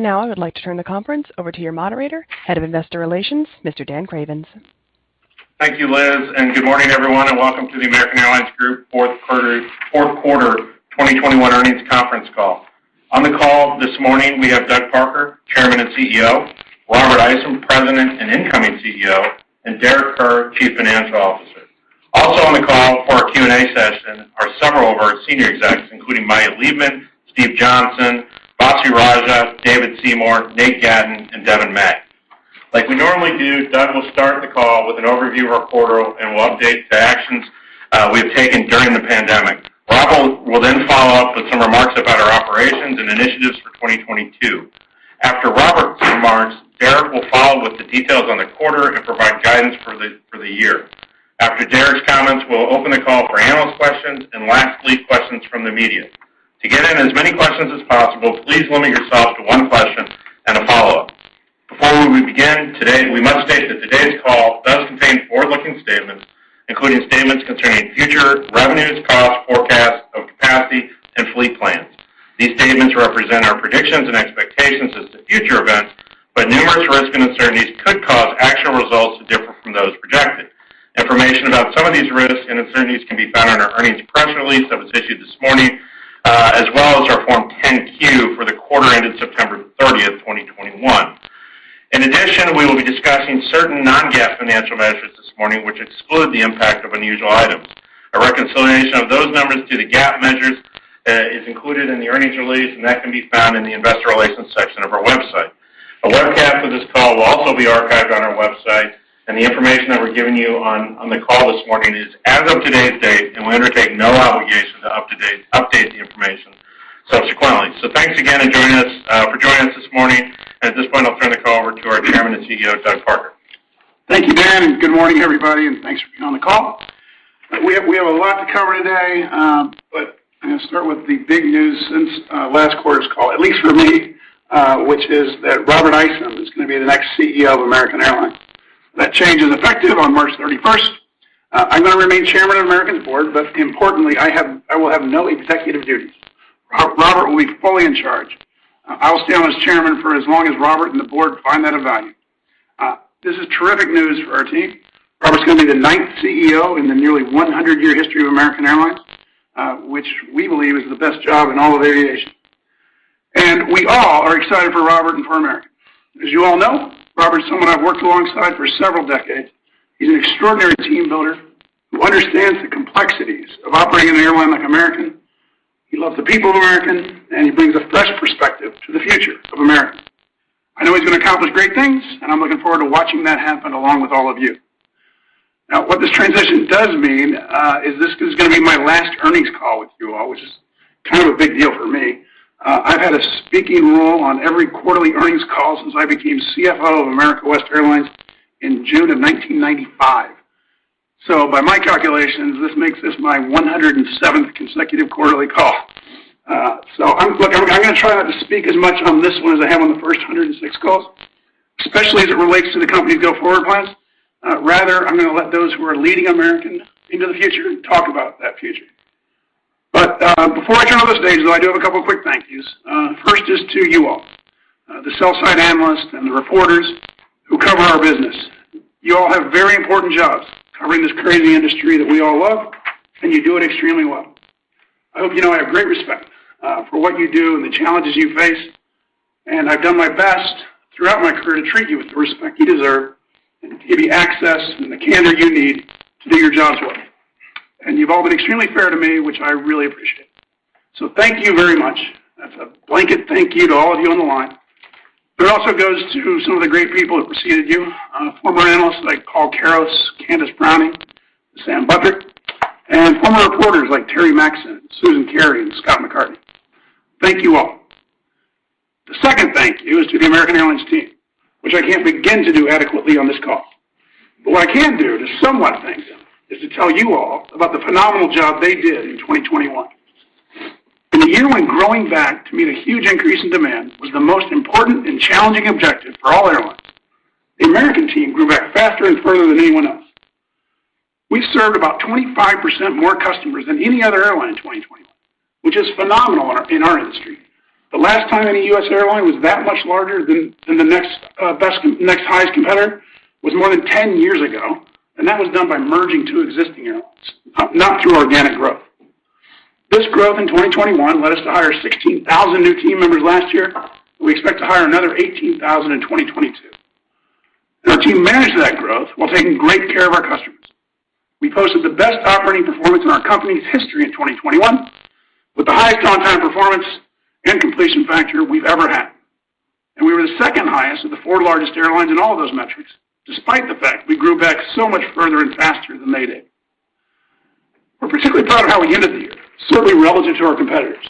Now I would like to turn the conference over to your moderator, Head of Investor Relations, Mr. Dan Cravens. Thank you, Liz, and good morning, everyone, and welcome to the American Airlines Group Fourth Quarter 2021 Earnings Conference Call. On the call this morning we have Doug Parker, Chairman and CEO, Robert Isom, President and Incoming CEO, and Derek Kerr, Chief Financial Officer. Also on the call for our Q&A session are several of our senior execs, including Maya Leibman, Steve Johnson, Vasu Raja, David Seymour, Nate Gatten and Devon May. Like we normally do, Doug will start the call with an overview of our quarter and will update the actions we have taken during the pandemic. Robert will then follow up with some remarks about our operations and initiatives for 2022. After Robert's remarks, Derek will follow with the details on the quarter and provide guidance for the year. After Derek's comments, we'll open the call for analyst questions and lastly, questions from the media. To get in as many questions as possible, please limit yourself to one question and a follow-up. Before we begin today, we must state that today's call does contain forward-looking statements, including statements concerning future revenues, costs, forecasts of capacity, and fleet plans. These statements represent our predictions and expectations as to future events, but numerous risks and uncertainties could cause actual results to differ from those projected. Information about some of these risks and uncertainties can be found in our earnings press release that was issued this morning, as well as our Form 10-Q for the quarter ended September 30th, 2021. In addition, we will be discussing certain non-GAAP financial measures this morning, which exclude the impact of unusual items. A reconciliation of those numbers to the GAAP measures is included in the earnings release, and that can be found in the investor relations section of our website. A webcast of this call will also be archived on our website, and the information that we're giving you on the call this morning is as of today's date, and we undertake no obligation to update the information subsequently. Thanks again for joining us this morning. At this point, I'll turn the call over to our Chairman and CEO, Doug Parker. Thank you, Dan, and good morning, everybody, and thanks for being on the call. We have a lot to cover today, but I'm gonna start with the big news since last quarter's call, at least for me, which is that Robert Isom is gonna be the next CEO of American Airlines. That change is effective on March 31st. I'm gonna remain Chairman of American's Board, but importantly, I will have no executive duties. Robert will be fully in charge. I'll stay on as Chairman for as long as Robert and the board find that of value. This is terrific news for our team. Robert's gonna be the 9th CEO in the nearly 100-year history of American Airlines, which we believe is the best job in all of aviation. We all are excited for Robert and for American. As you all know, Robert is someone I've worked alongside for several decades. He's an extraordinary team builder who understands the complexities of operating an airline like American. He loves the people of American, and he brings a fresh perspective to the future of American. I know he's gonna accomplish great things, and I'm looking forward to watching that happen along with all of you. Now, what this transition does mean, is this is gonna be my last earnings call with you all, which is kind of a big deal for me. I've had a speaking role on every quarterly earnings call since I became CFO of America West Airlines in June of 1995. By my calculations, this makes this my 107th consecutive quarterly call. Look, I'm gonna try not to speak as much on this one as I have on the first 106 calls, especially as it relates to the company's go-forward plans. Rather, I'm gonna let those who are leading American into the future talk about that future. Before I turn over the stage, though, I do have a couple of quick thank yous. First is to you all, the sell-side analysts and the reporters who cover our business. You all have very important jobs covering this crazy industry that we all love, and you do it extremely well. I hope you know I have great respect for what you do and the challenges you face, and I've done my best throughout my career to treat you with the respect you deserve and to give you access and the candor you need to do your jobs well. You've all been extremely fair to me, which I really appreciate. Thank you very much. That's a blanket thank you to all of you on the line. It also goes to some of the great people that preceded you, former analysts like Paul Karos, Candace Browning, Sam Buttrick, and former reporters like Terry Maxon, Susan Carey, and Scott McCartney. Thank you all. The second thank you is to the American Airlines team, which I can't begin to do adequately on this call. What I can do to somewhat thank them is to tell you all about the phenomenal job they did in 2021. In a year when growing back to meet a huge increase in demand was the most important and challenging objective for all airlines, the American team grew back faster and further than anyone else. We served about 25% more customers than any other airline in 2020, which is phenomenal in our industry. The last time any U.S. airline was that much larger than the next highest competitor was more than 10 years ago, and that was done by merging two existing airlines, not through organic growth. This growth in 2021 led us to hire 16,000 new team members last year. We expect to hire another 18,000 in 2022. Our team managed that growth while taking great care of our customers. We posted the best operating performance in our company's history in 2021, with the highest on-time performance and completion factor we've ever had. We were the second highest of the four largest airlines in all of those metrics, despite the fact we grew back so much further and faster than they did. We're particularly proud of how we ended the year, certainly relative to our competitors.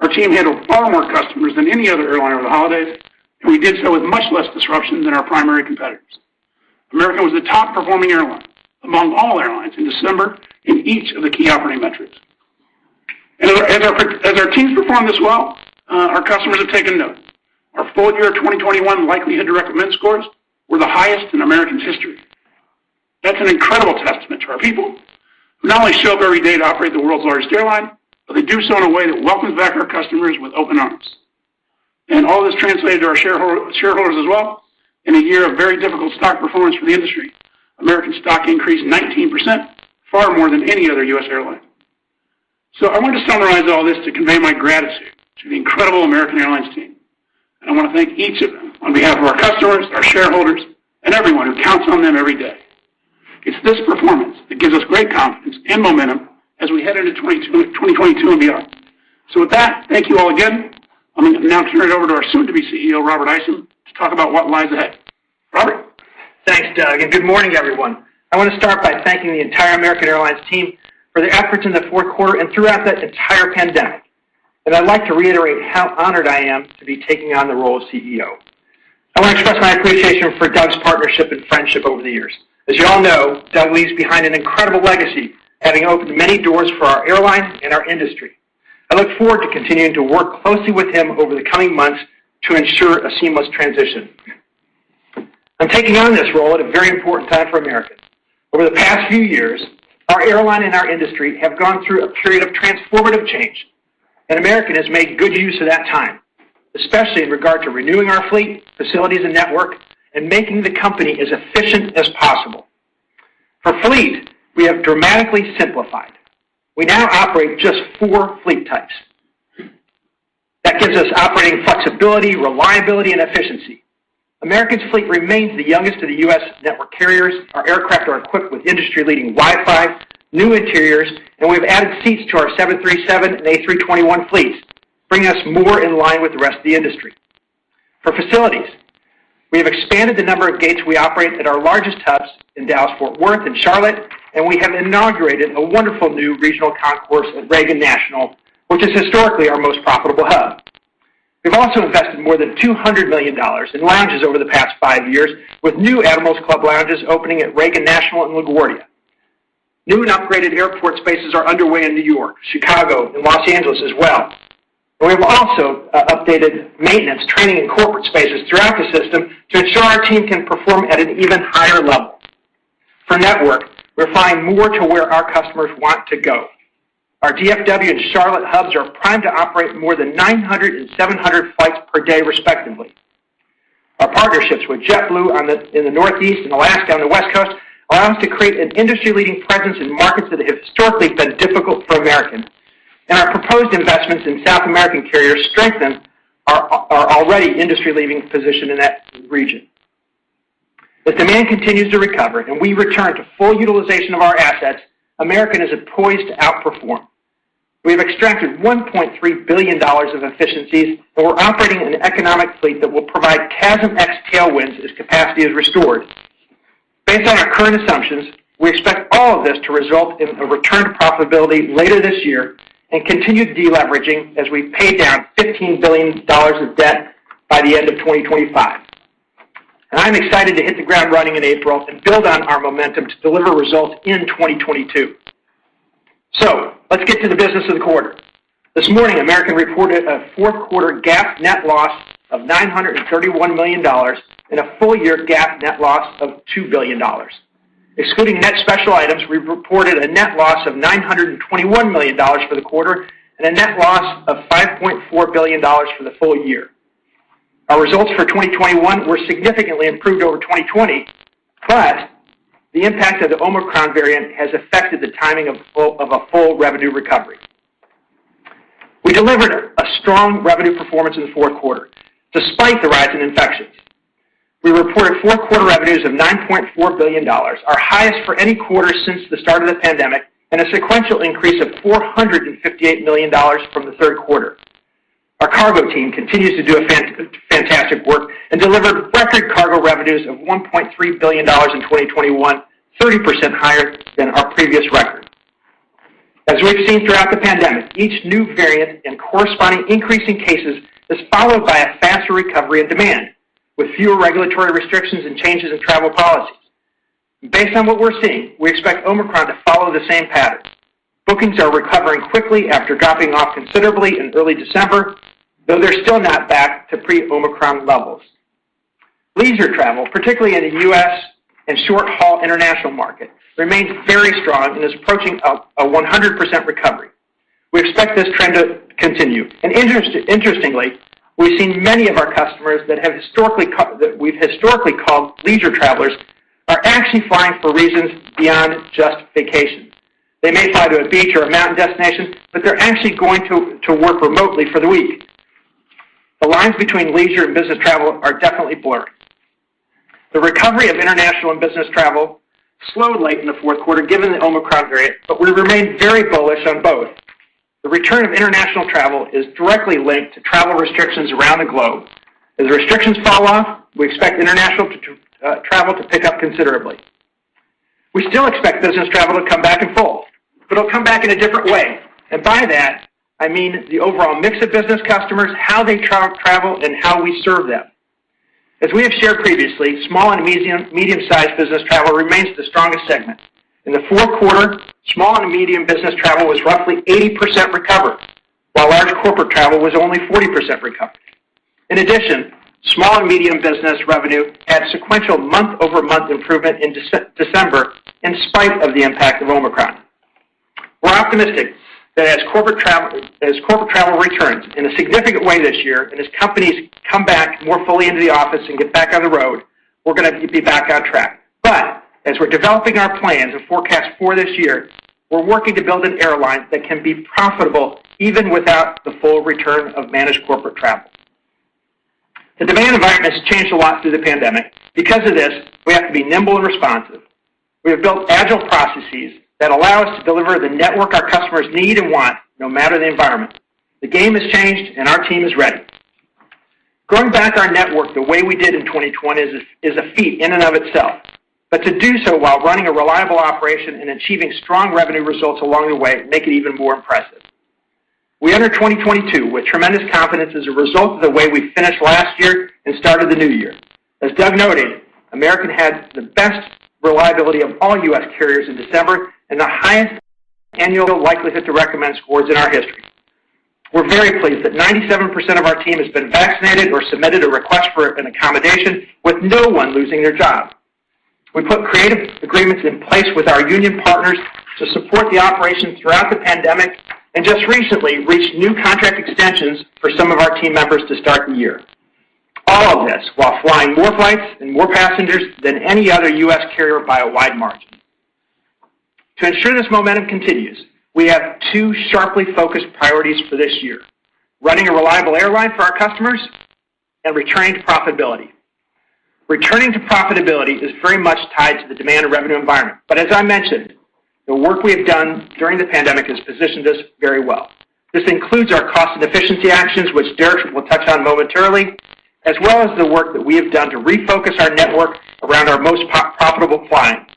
Our team handled far more customers than any other airline over the holidays, and we did so with much less disruptions than our primary competitors. American was the top-performing airline among all airlines in December in each of the key operating metrics. As our teams performed this well, our customers have taken note. Our full year 2021 likelihood to recommend scores were the highest in American's history. That's an incredible testament to our people who not only show up every day to operate the world's largest airline, but they do so in a way that welcomes back our customers with open arms. All this translated to our shareholder, shareholders as well. In a year of very difficult stock performance for the industry, American stock increased 19%, far more than any other U.S. airline. I want to summarize all this to convey my gratitude to the incredible American Airlines team, and I want to thank each of them on behalf of our customers, our shareholders, and everyone who counts on them every day. It's this performance that gives us great confidence and momentum as we head into 2022 and beyond. With that, thank you all again. I'm going to now turn it over to our soon-to-be CEO, Robert Isom, to talk about what lies ahead. Robert. Thanks, Doug, and good morning, everyone. I want to start by thanking the entire American Airlines team for their efforts in the fourth quarter and throughout this entire pandemic. I'd like to reiterate how honored I am to be taking on the role of CEO. I want to express my appreciation for Doug's partnership and friendship over the years. As you all know, Doug leaves behind an incredible legacy, having opened many doors for our airline and our industry. I look forward to continuing to work closely with him over the coming months to ensure a seamless transition. I'm taking on this role at a very important time for American. Over the past few years, our airline and our industry have gone through a period of transformative change, and American has made good use of that time, especially in regard to renewing our fleet, facilities, and network, and making the company as efficient as possible. For fleet, we have dramatically simplified. We now operate just four fleet types. That gives us operating flexibility, reliability, and efficiency. American's fleet remains the youngest of the U.S. network carriers. Our aircraft are equipped with industry-leading Wi-Fi, new interiors, and we've added seats to our 737 and A321 fleets, bringing us more in line with the rest of the industry. For facilities, we have expanded the number of gates we operate at our largest hubs in Dallas-Fort Worth and Charlotte, and we have inaugurated a wonderful new regional concourse at Reagan National, which is historically our most profitable hub. We've also invested more than $200 million in lounges over the past five years, with new Admirals Club lounges opening at Reagan National and LaGuardia. New and upgraded airport spaces are underway in New York, Chicago, and Los Angeles as well. We've also updated maintenance, training, and corporate spaces throughout the system to ensure our team can perform at an even higher level. For network, we're flying more to where our customers want to go. Our DFW and Charlotte hubs are primed to operate more than 900 and 700 flights per day, respectively. Our partnerships with JetBlue in the Northeast and Alaska on the West Coast allow us to create an industry-leading presence in markets that have historically been difficult for Americans. Our proposed investments in South American carriers strengthen our already industry-leading position in that region. As demand continues to recover and we return to full utilization of our assets, American is poised to outperform. We have extracted $1.3 billion of efficiencies, and we're operating an economic fleet that will provide CASM-ex tailwinds as capacity is restored. Based on our current assumptions, we expect all of this to result in a return to profitability later this year and continued deleveraging as we pay down $15 billion of debt by the end of 2025. I'm excited to hit the ground running in April and build on our momentum to deliver results in 2022. Let's get to the business of the quarter. This morning, American reported a fourth-quarter GAAP net loss of $931 million and a full-year GAAP net loss of $2 billion. Excluding net special items, we reported a net loss of $921 million for the quarter and a net loss of $5.4 billion for the full year. Our results for 2021 were significantly improved over 2020, but the impact of the Omicron variant has affected the timing of a full revenue recovery. We delivered a strong revenue performance in the fourth quarter despite the rise in infections. We reported fourth-quarter revenues of $9.4 billion, our highest for any quarter since the start of the pandemic and a sequential increase of $458 million from the third quarter. Our cargo team continues to do a fantastic work and delivered record cargo revenues of $1.3 billion in 2021, 30% higher than our previous record. As we've seen throughout the pandemic, each new variant and corresponding increase in cases is followed by a faster recovery and demand, with fewer regulatory restrictions and changes in travel policies. Based on what we're seeing, we expect Omicron to follow the same pattern. Bookings are recovering quickly after dropping off considerably in early December, though they're still not back to pre-Omicron levels. Leisure travel, particularly in the U.S. and short-haul international market, remains very strong and is approaching a 100% recovery. We expect this trend to continue. Interestingly, we've seen many of our customers that we've historically called leisure travelers are actually flying for reasons beyond just vacations. They may fly to a beach or a mountain destination, but they're actually going to work remotely for the week. The lines between leisure and business travel are definitely blurred. The recovery of international and business travel slowed late in the fourth quarter, given the Omicron variant, but we remain very bullish on both. The return of international travel is directly linked to travel restrictions around the globe. As restrictions fall off, we expect international travel to pick up considerably. We still expect business travel to come back in full, but it'll come back in a different way. By that, I mean the overall mix of business customers, how they travel, and how we serve them. As we have shared previously, small and medium-sized business travel remains the strongest segment. In the fourth quarter, small and medium business travel was roughly 80% recovered, while large corporate travel was only 40% recovered. In addition, small and medium business revenue had sequential month-over-month improvement in December in spite of the impact of Omicron. We're optimistic that as corporate travel returns in a significant way this year, and as companies come back more fully into the office and get back on the road, we're gonna be back on track. As we're developing our plans and forecasts for this year, we're working to build an airline that can be profitable even without the full return of managed corporate travel. The demand environment has changed a lot through the pandemic. Because of this, we have to be nimble and responsive. We have built agile processes that allow us to deliver the network our customers need and want, no matter the environment. The game has changed, and our team is ready. Growing back our network the way we did in 2020 is a feat in and of itself. To do so while running a reliable operation and achieving strong revenue results along the way make it even more impressive. We enter 2022 with tremendous confidence as a result of the way we finished last year and started the new year. As Doug noted, American had the best reliability of all U.S. carriers in December and the highest annual likelihood to recommend scores in our history. We're very pleased that 97% of our team has been vaccinated or submitted a request for an accommodation with no one losing their job. We put creative agreements in place with our union partners to support the operation throughout the pandemic, and just recently reached new contract extensions for some of our team members to start the year. All of this while flying more flights and more passengers than any other U.S. carrier by a wide margin. To ensure this momentum continues, we have two sharply focused priorities for this year, running a reliable airline for our customers and returning to profitability. Returning to profitability is very much tied to the demand and revenue environment. As I mentioned, the work we have done during the pandemic has positioned us very well. This includes our cost and efficiency actions, which Derek will touch on momentarily, as well as the work that we have done to refocus our network around our most profitable clients.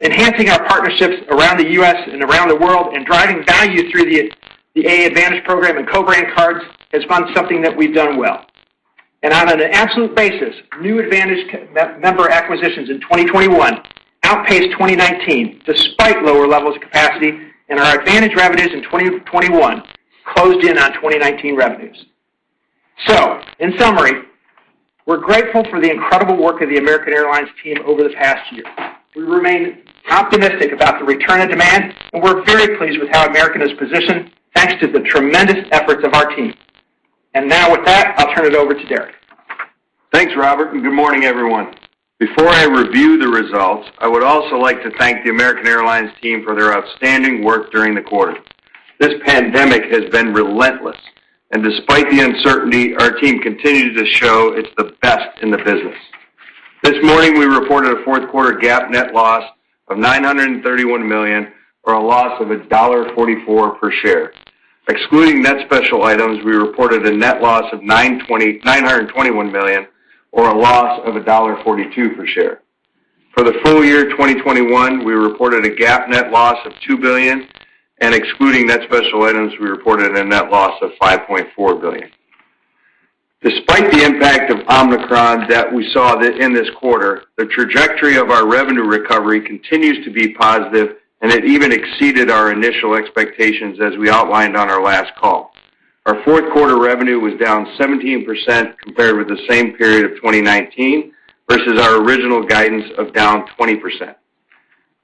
Enhancing our partnerships around the U.S. and around the world and driving value through the AAdvantage program and co-brand cards has been something that we've done well. On an absolute basis, new AAdvantage member acquisitions in 2021 outpaced 2019 despite lower levels of capacity, and our AAdvantage revenues in 2021 closed in on 2019 revenues. In summary, we're grateful for the incredible work of the American Airlines team over the past year. We remain optimistic about the return of demand, and we're very pleased with how American is positioned, thanks to the tremendous efforts of our team. Now with that, I'll turn it over to Derek. Thanks, Robert, and good morning, everyone. Before I review the results, I would also like to thank the American Airlines team for their outstanding work during the quarter. This pandemic has been relentless. Despite the uncertainty, our team continued to show it's the best in the business. This morning, we reported a fourth-quarter GAAP net loss of $931 million, or a loss of $1.44 per share. Excluding net special items, we reported a net loss of $921 million or a loss of $1.42 per share. For the full year 2021, we reported a GAAP net loss of $2 billion, and excluding net special items, we reported a net loss of $5.4 billion. Despite the impact of Omicron that we saw in this quarter, the trajectory of our revenue recovery continues to be positive, and it even exceeded our initial expectations as we outlined on our last call. Our fourth quarter revenue was down 17% compared with the same period of 2019 versus our original guidance of down 20%.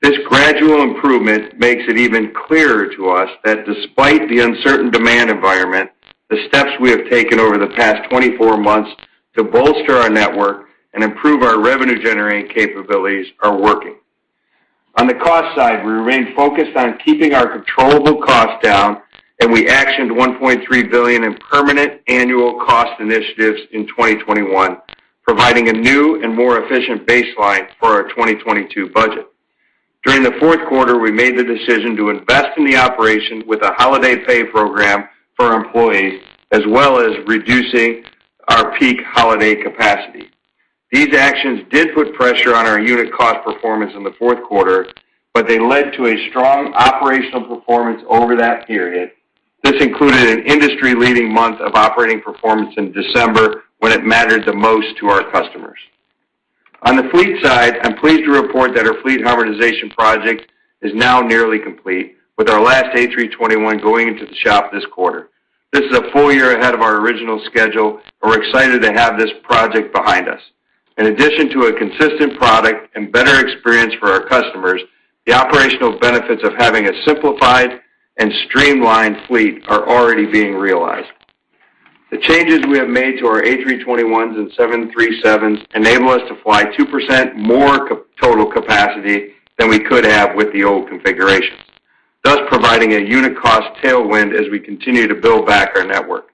This gradual improvement makes it even clearer to us that despite the uncertain demand environment, the steps we have taken over the past 24 months to bolster our network and improve our revenue-generating capabilities are working. On the cost side, we remain focused on keeping our controllable costs down, and we actioned $1.3 billion in permanent annual cost initiatives in 2021, providing a new and more efficient baseline for our 2022 budget. During the fourth quarter, we made the decision to invest in the operation with a holiday pay program for our employees, as well as reducing our peak holiday capacity. These actions did put pressure on our unit cost performance in the fourth quarter, but they led to a strong operational performance over that period. This included an industry-leading month of operating performance in December when it mattered the most to our customers. On the fleet side, I'm pleased to report that our fleet harmonization project is now nearly complete, with our last A321 going into the shop this quarter. This is a full year ahead of our original schedule, and we're excited to have this project behind us. In addition to a consistent product and better experience for our customers, the operational benefits of having a simplified and streamlined fleet are already being realized. The changes we have made to our A321s and 737s enable us to fly 2% more total capacity than we could have with the old configuration, thus providing a unit cost tailwind as we continue to build back our network.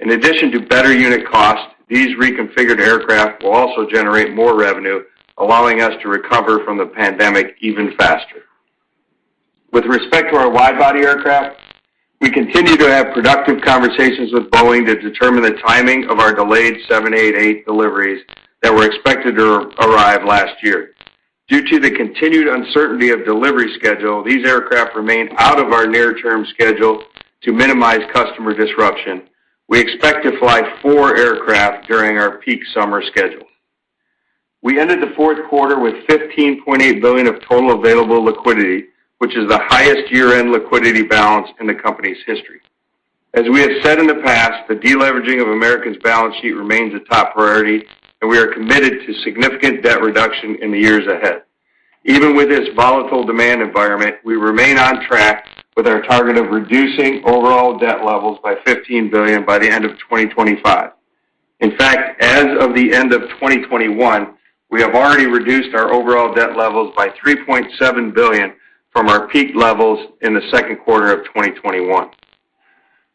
In addition to better unit cost, these reconfigured aircraft will also generate more revenue, allowing us to recover from the pandemic even faster. With respect to our wide-body aircraft, we continue to have productive conversations with Boeing to determine the timing of our delayed 787-8 deliveries that were expected to arrive last year. Due to the continued uncertainty of delivery schedule, these aircraft remain out of our near-term schedule to minimize customer disruption. We expect to fly four aircraft during our peak summer schedule. We ended the fourth quarter with $15.8 billion of total available liquidity, which is the highest year-end liquidity balance in the company's history. As we have said in the past, the deleveraging of American's balance sheet remains a top priority, and we are committed to significant debt reduction in the years ahead. Even with this volatile demand environment, we remain on track with our target of reducing overall debt levels by $15 billion by the end of 2025. In fact, as of the end of 2021, we have already reduced our overall debt levels by $3.7 billion from our peak levels in the second quarter of 2021.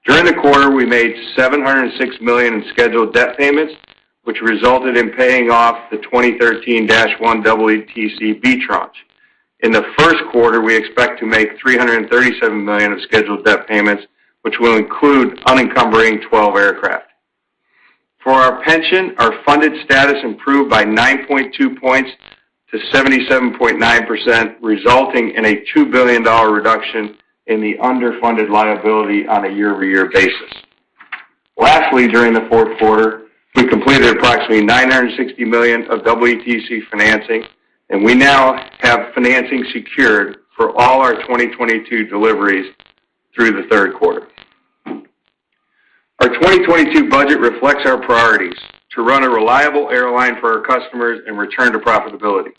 During the quarter, we made $706 million in scheduled debt payments, which resulted in paying off the 2013-1 EETC B tranche. In the first quarter, we expect to make $337 million of scheduled debt payments, which will include unencumbering 12 aircraft. For our pension, our funded status improved by 9.2 points to 77.9%, resulting in a $2 billion reduction in the underfunded liability on a year-over-year basis. Lastly, during the fourth quarter, we completed approximately $960 million of EETC financing, and we now have financing secured for all our 2022 deliveries through the third quarter. Our 2022 budget reflects our priorities to run a reliable airline for our customers and return to profitability.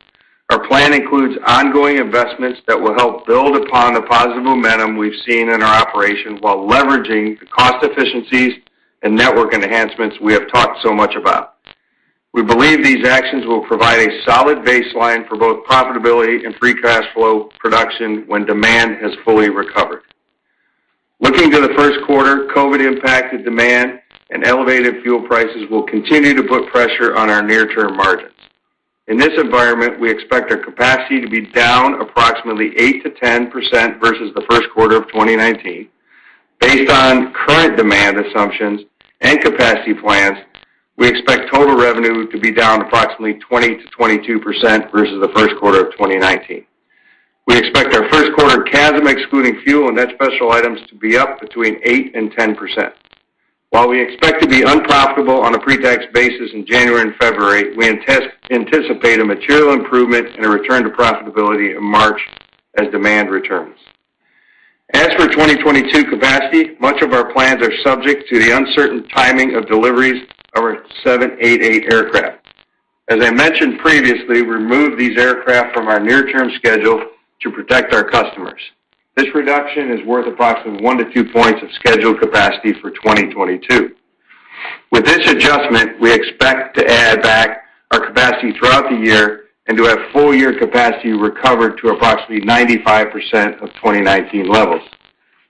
Our plan includes ongoing investments that will help build upon the positive momentum we've seen in our operations while leveraging the cost efficiencies and network enhancements we have talked so much about. We believe these actions will provide a solid baseline for both profitability and free cash flow production when demand has fully recovered. Looking to the first quarter, COVID-impacted demand and elevated fuel prices will continue to put pressure on our near-term margins. In this environment, we expect our capacity to be down approximately 8%-10% versus the first quarter of 2019. Based on current demand assumptions and capacity plans, we expect total revenue to be down approximately 20%-22% versus the first quarter of 2019. We expect our first quarter CASM, excluding fuel and net special items, to be up between 8% and 10%. While we expect to be unprofitable on a pre-tax basis in January and February, we anticipate a material improvement and a return to profitability in March as demand returns. As for 2022 capacity, much of our plans are subject to the uncertain timing of deliveries of our 787-8 aircraft. As I mentioned previously, we removed these aircraft from our near-term schedule to protect our customers. This reduction is worth approximately 1-2 points of scheduled capacity for 2022. With this adjustment, we expect to add back our capacity throughout the year and to have full-year capacity recovered to approximately 95% of 2019 levels.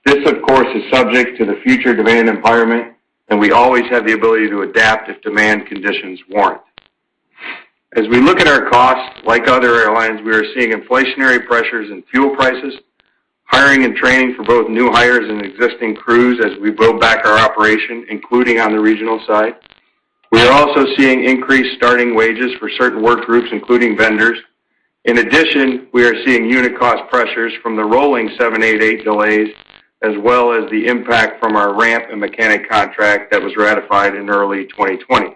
This, of course, is subject to the future demand environment, and we always have the ability to adapt if demand conditions warrant. As we look at our costs, like other airlines, we are seeing inflationary pressures in fuel prices, hiring and training for both new hires and existing crews as we build back our operation, including on the regional side. We are also seeing increased starting wages for certain work groups, including vendors. In addition, we are seeing unit cost pressures from the rolling 787-8 delays, as well as the impact from our ramp and mechanic contract that was ratified in early 2020.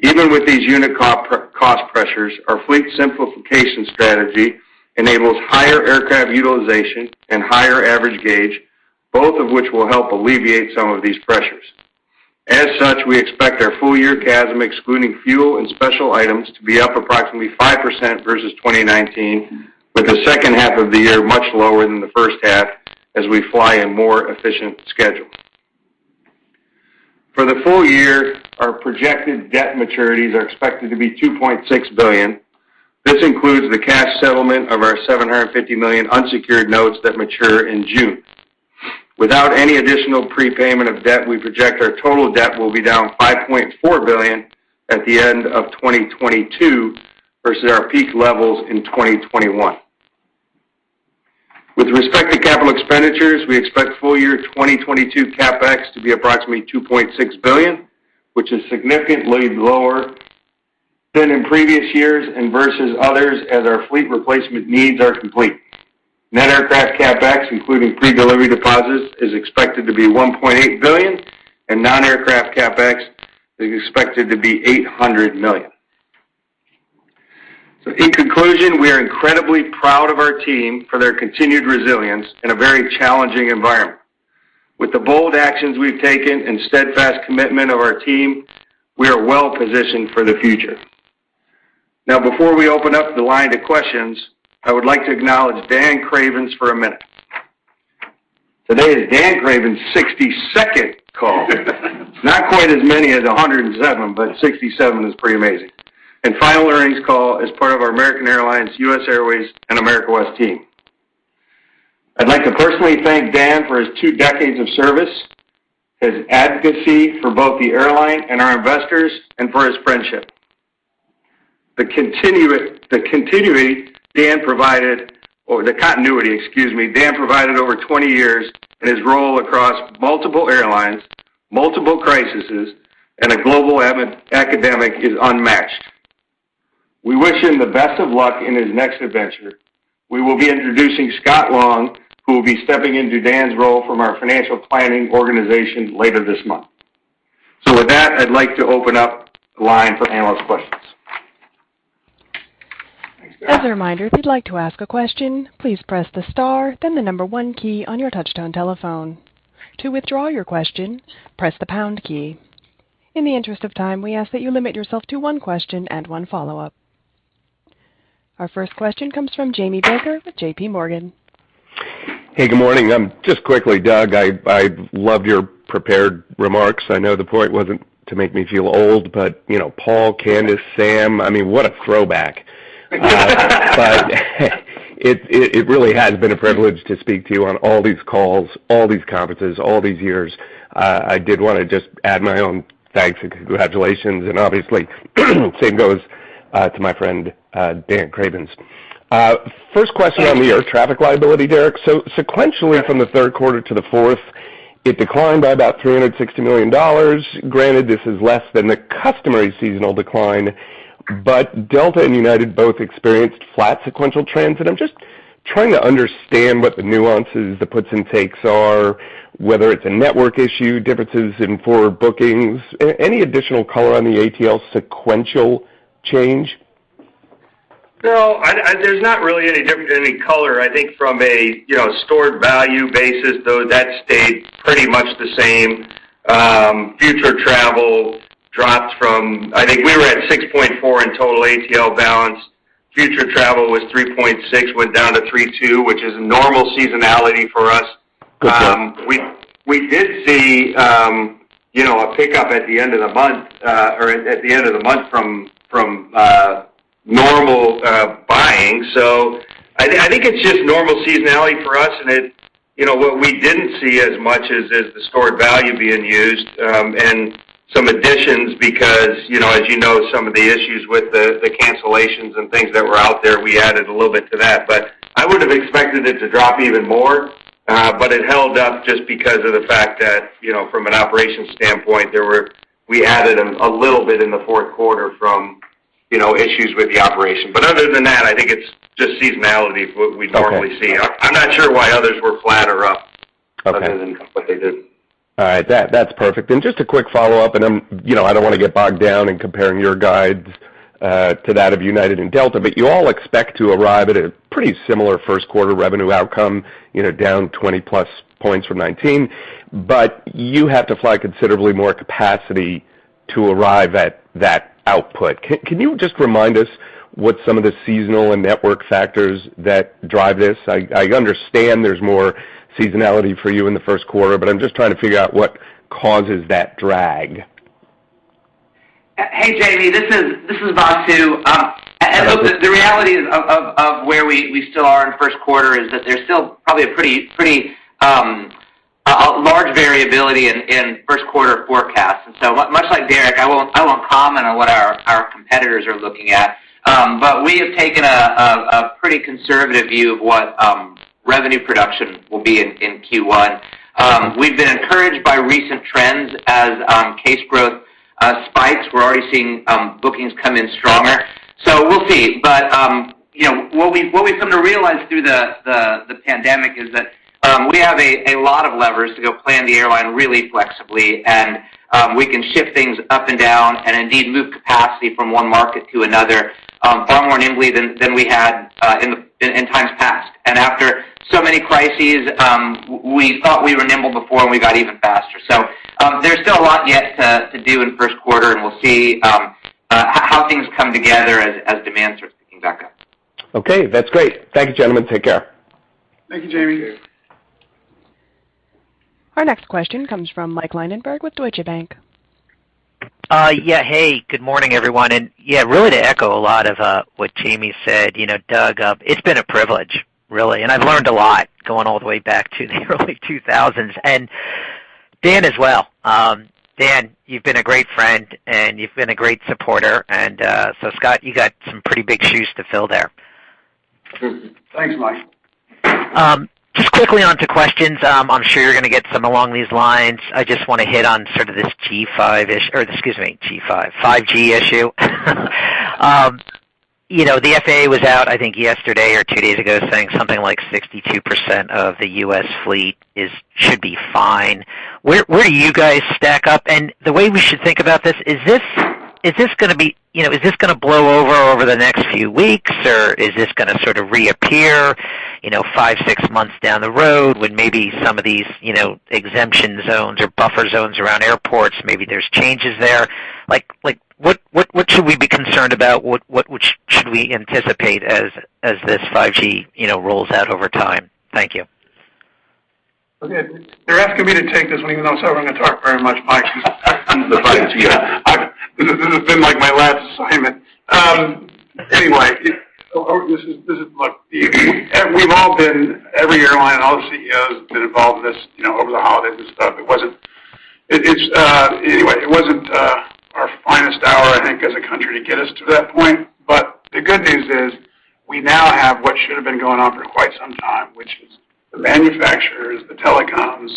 Even with these unit cost pressures, our fleet simplification strategy enables higher aircraft utilization and higher average gauge, both of which will help alleviate some of these pressures. As such, we expect our full-year CASM, excluding fuel and special items, to be up approximately 5% versus 2019, with the second half of the year much lower than the first half as we fly a more efficient schedule. For the full year, our projected debt maturities are expected to be $2.6 billion. This includes the cash settlement of our $750 million unsecured notes that mature in June. Without any additional prepayment of debt, we project our total debt will be down $5.4 billion at the end of 2022 versus our peak levels in 2021. With respect to capital expenditures, we expect full-year 2022 CapEx to be approximately $2.6 billion, which is significantly lower than in previous years and versus others as our fleet replacement needs are complete. Net aircraft CapEx, including pre-delivery deposits, is expected to be $1.8 billion, and non-aircraft CapEx is expected to be $800 million. In conclusion, we are incredibly proud of our team for their continued resilience in a very challenging environment. With the bold actions we've taken and steadfast commitment of our team, we are well-positioned for the future. Now, before we open up the line to questions, I would like to acknowledge Dan Cravens for a minute. Today is Dan Cravens' 62nd call. Not quite as many as 107, but 67 is pretty amazing. Final earnings call as part of our American Airlines, U.S. Airways, and America West team. I'd like to personally thank Dan for his two decades of service, his advocacy for both the airline and our investors, and for his friendship. The continuity Dan provided over 20 years in his role across multiple airlines, multiple crises, and a global pandemic is unmatched. We wish him the best of luck in his next adventure. We will be introducing Scott Long, who will be stepping into Dan's role from our financial planning organization later this month. With that, I'd like to open up the line for analyst questions. As a reminder, if you'd like to ask a question, please press the star, then the number one key on your touchtone telephone. To withdraw your question, press the pound key. In the interest of time, we ask that you limit yourself to one question and one follow-up. Our first question comes from Jamie Baker with JPMorgan. Hey, good morning. Just quickly, Doug, I loved your prepared remarks. I know the point wasn't to make me feel old, but you know, Paul, Candice, Sam, I mean, what a throwback. But it really has been a privilege to speak to you on all these calls, all these conferences, all these years. I did wanna just add my own thanks and congratulations, and obviously, same goes to my friend, Dan Cravens. First question on the air traffic liability, Derek. So sequentially from the third quarter to the fourth, it declined by about $360 million. Granted, this is less than the customary seasonal decline, but Delta and United both experienced flat sequential trends. I'm just trying to understand what the nuances, the puts and takes are, whether it's a network issue, differences in forward bookings. Any additional color on the ATL sequential change? No, there's not really any difference, any color. I think from a, you know, stored value basis, though, that stayed pretty much the same. Future travel dropped from, I think we were at $6.4 in total ATL balance. Future travel was $3.6, went down to $3.2, which is a normal seasonality for us. Okay. We did see a pickup at the end of the month from normal buying. I think it's just normal seasonality for us. It's you know, what we didn't see as much is the stored value being used and some additions because, as you know, some of the issues with the cancellations and things that were out there, we added a little bit to that. I would have expected it to drop even more, but it held up just because of the fact that, you know, from an operations standpoint, we added a little bit in the fourth quarter from issues with the operation. Other than that, I think it's just seasonality we normally see. Okay. I'm not sure why others were flat or up other than what they did. All right. That’s perfect. Just a quick follow-up, you know, I don't wanna get bogged down in comparing your guides to that of United and Delta, but you all expect to arrive at a pretty similar first quarter revenue outcome, you know, down 20+ points from 2019. You have to fly considerably more capacity to arrive at that output. Can you just remind us what some of the seasonal and network factors that drive this? I understand there's more seasonality for you in the first quarter, but I'm just trying to figure out what causes that drag. Hey, Jamie. This is Vasu. Look, the reality of where we still are in first quarter is that there's still probably a large variability in first quarter forecast. Much like Derek, I won't comment on what our competitors are looking at. We have taken a pretty conservative view of what revenue production will be in Q1. We've been encouraged by recent trends as case growth spikes. We're already seeing bookings come in stronger. We'll see. You know, what we've come to realize through the pandemic is that we have a lot of levers to go plan the airline really flexibly, and we can shift things up and down and indeed move capacity from one market to another far more nimbly than we had in times past. After so many crises, we thought we were nimble before and we got even faster. There's still a lot yet to do in first quarter, and we'll see how things come together as demand starts picking back up. Okay, that's great. Thank you, gentlemen. Take care. Thank you, Jamie. Thank you. Our next question comes from Mike Linenberg with Deutsche Bank. Hey, good morning, everyone. Really to echo a lot of what Jamie said, you know, Doug, it's been a privilege, really, and I've learned a lot going all the way back to the early 2000s. Dan as well. Dan, you've been a great friend, and you've been a great supporter. Scott, you got some pretty big shoes to fill there. Thanks, Mike. Just quickly on to questions. I'm sure you're gonna get some along these lines. I just wanna hit on sort of this 5G issue. You know, the FAA was out, I think, yesterday or two days ago, saying something like 62% of the U.S. fleet should be fine. Where do you guys stack up? The way we should think about this, you know, is this gonna blow over in the next few weeks, or is this gonna sort of reappear, you know, five, six months down the road when maybe some of these, you know, exemption zones or buffer zones around airports, maybe there's changes there? Like, what should we be concerned about? Which should we anticipate as this 5G, you know, rolls out over time? Thank you. Okay. They're asking me to take this one even though I said I wouldn't talk very much, Mike. The 5G. This has been, like, my last assignment. Anyway, look, we've all been, every airline and all the CEOs have been involved in this, you know, over the holidays and stuff. It wasn't our finest hour, I think, as a country to get us to that point. The good news is we now have what should have been going on for quite some time, which is the manufacturers, the telecoms,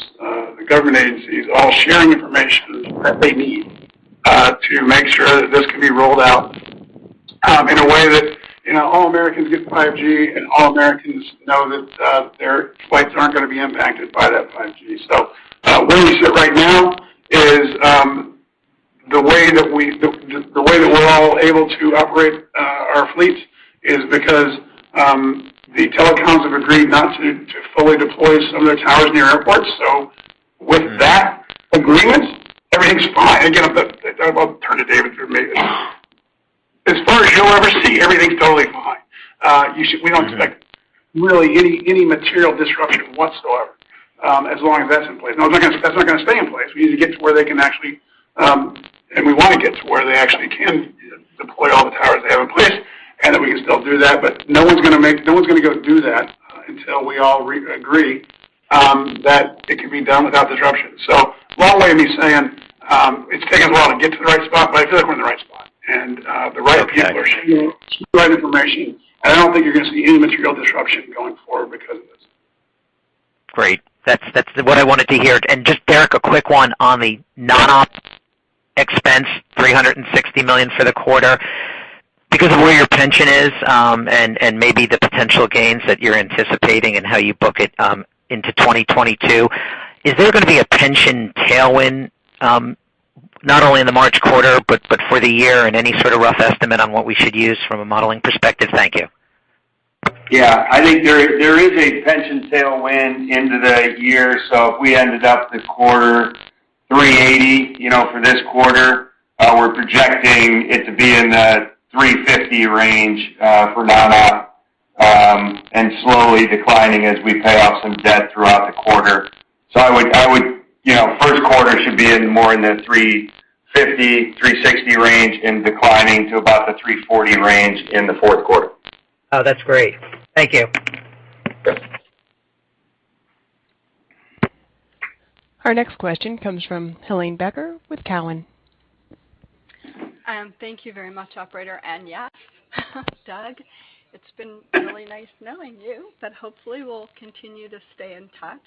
the government agencies all sharing information that they need. That this can be rolled out in a way that, you know, all Americans get the 5G, and all Americans know that their flights aren't gonna be impacted by that 5G. Where we sit right now is the way that we're all able to operate our fleet is because the telecoms have agreed not to fully deploy some of their towers near airports. With that agreement, everything's fine. Again, I'll turn to David for maybe as far as you'll ever see, everything's totally fine. We don't expect really any material disruption whatsoever as long as that's in place. Now, that's not gonna stay in place. We wanna get to where they actually can deploy all the towers they have in place, and then we can still do that. No one's gonna go do that until we all agree that it can be done without disruption. Long way of me saying, it's taken a while to get to the right spot, but I feel like we're in the right spot. The right people are sharing the right information, and I don't think you're gonna see any material disruption going forward because of this. Great. That's what I wanted to hear. Just, Derek, a quick one on the non-ops expense, $360 million for the quarter. Because of where your pension is, and maybe the potential gains that you're anticipating and how you book it into 2022, is there gonna be a pension tailwind not only in the March quarter, but for the year, and any sort of rough estimate on what we should use from a modeling perspective? Thank you. Yeah. I think there is a pension tailwind into the year. If we ended up this quarter $380 million, you know, for this quarter, we're projecting it to be in the $350 million range for non-op and slowly declining as we pay off some debt throughout the quarter. You know, first quarter should be more in the $350 million-$360 million range and declining to about the $340 million range in the fourth quarter. Oh, that's great. Thank you. Yep. Our next question comes from Helane Becker with Cowen. Thank you very much, operator. Yeah, Doug, it's been really nice knowing you, but hopefully we'll continue to stay in touch.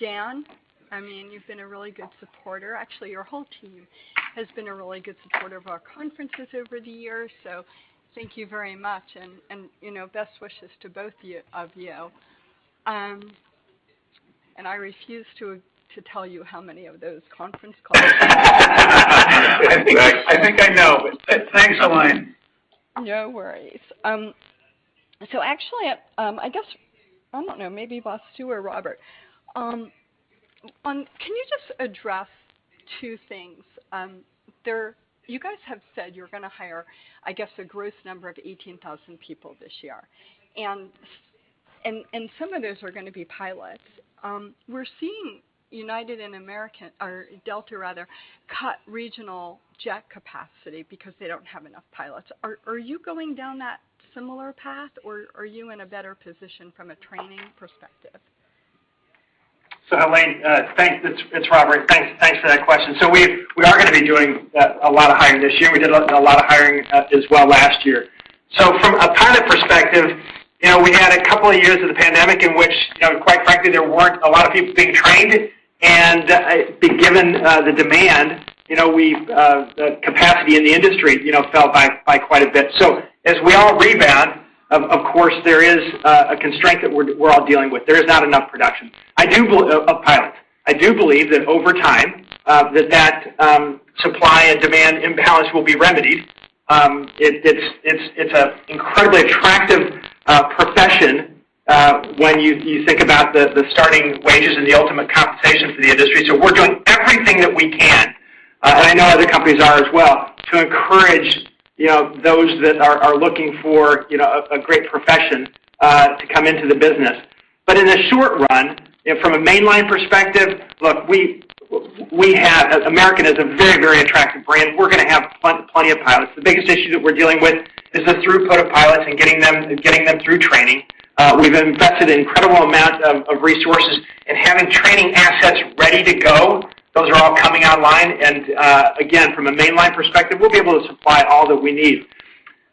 Dan, I mean, you've been a really good supporter. Actually, your whole team has been a really good supporter of our conferences over the years, so thank you very much and, you know, best wishes to both of you. I refuse to tell you how many of those conference calls- I think I know. Thanks, Helane. No worries. So actually, I guess, I don't know, maybe Vasu or Robert, can you just address two things? You guys have said you're gonna hire, I guess, a gross number of 18,000 people this year, and some of those are gonna be pilots. We're seeing United and American, or Delta rather, cut regional jet capacity because they don't have enough pilots. Are you going down that similar path, or are you in a better position from a training perspective? Helane, thanks. It's Robert. Thanks for that question. We are gonna be doing a lot of hiring this year. We did a lot of hiring as well last year. From a pilot perspective, you know, we had a couple of years of the pandemic in which, you know, quite frankly, there weren't a lot of people being trained, and given the demand, you know, the capacity in the industry, you know, fell by quite a bit. As we all rebound, of course, there is a constraint that we're all dealing with. There is not enough production of pilots. I do believe that over time, that supply and demand imbalance will be remedied. It's an incredibly attractive profession when you think about the starting wages and the ultimate compensation for the industry. We're doing everything that we can, and I know other companies are as well, to encourage you know those that are looking for you know a great profession to come into the business. In the short run, from a mainline perspective, look, we have. As American is a very, very attractive brand, we're gonna have plenty of pilots. The biggest issue that we're dealing with is the throughput of pilots and getting them through training. We've invested an incredible amount of resources in having training assets ready to go. Those are all coming online, and again, from a mainline perspective, we'll be able to supply all that we need.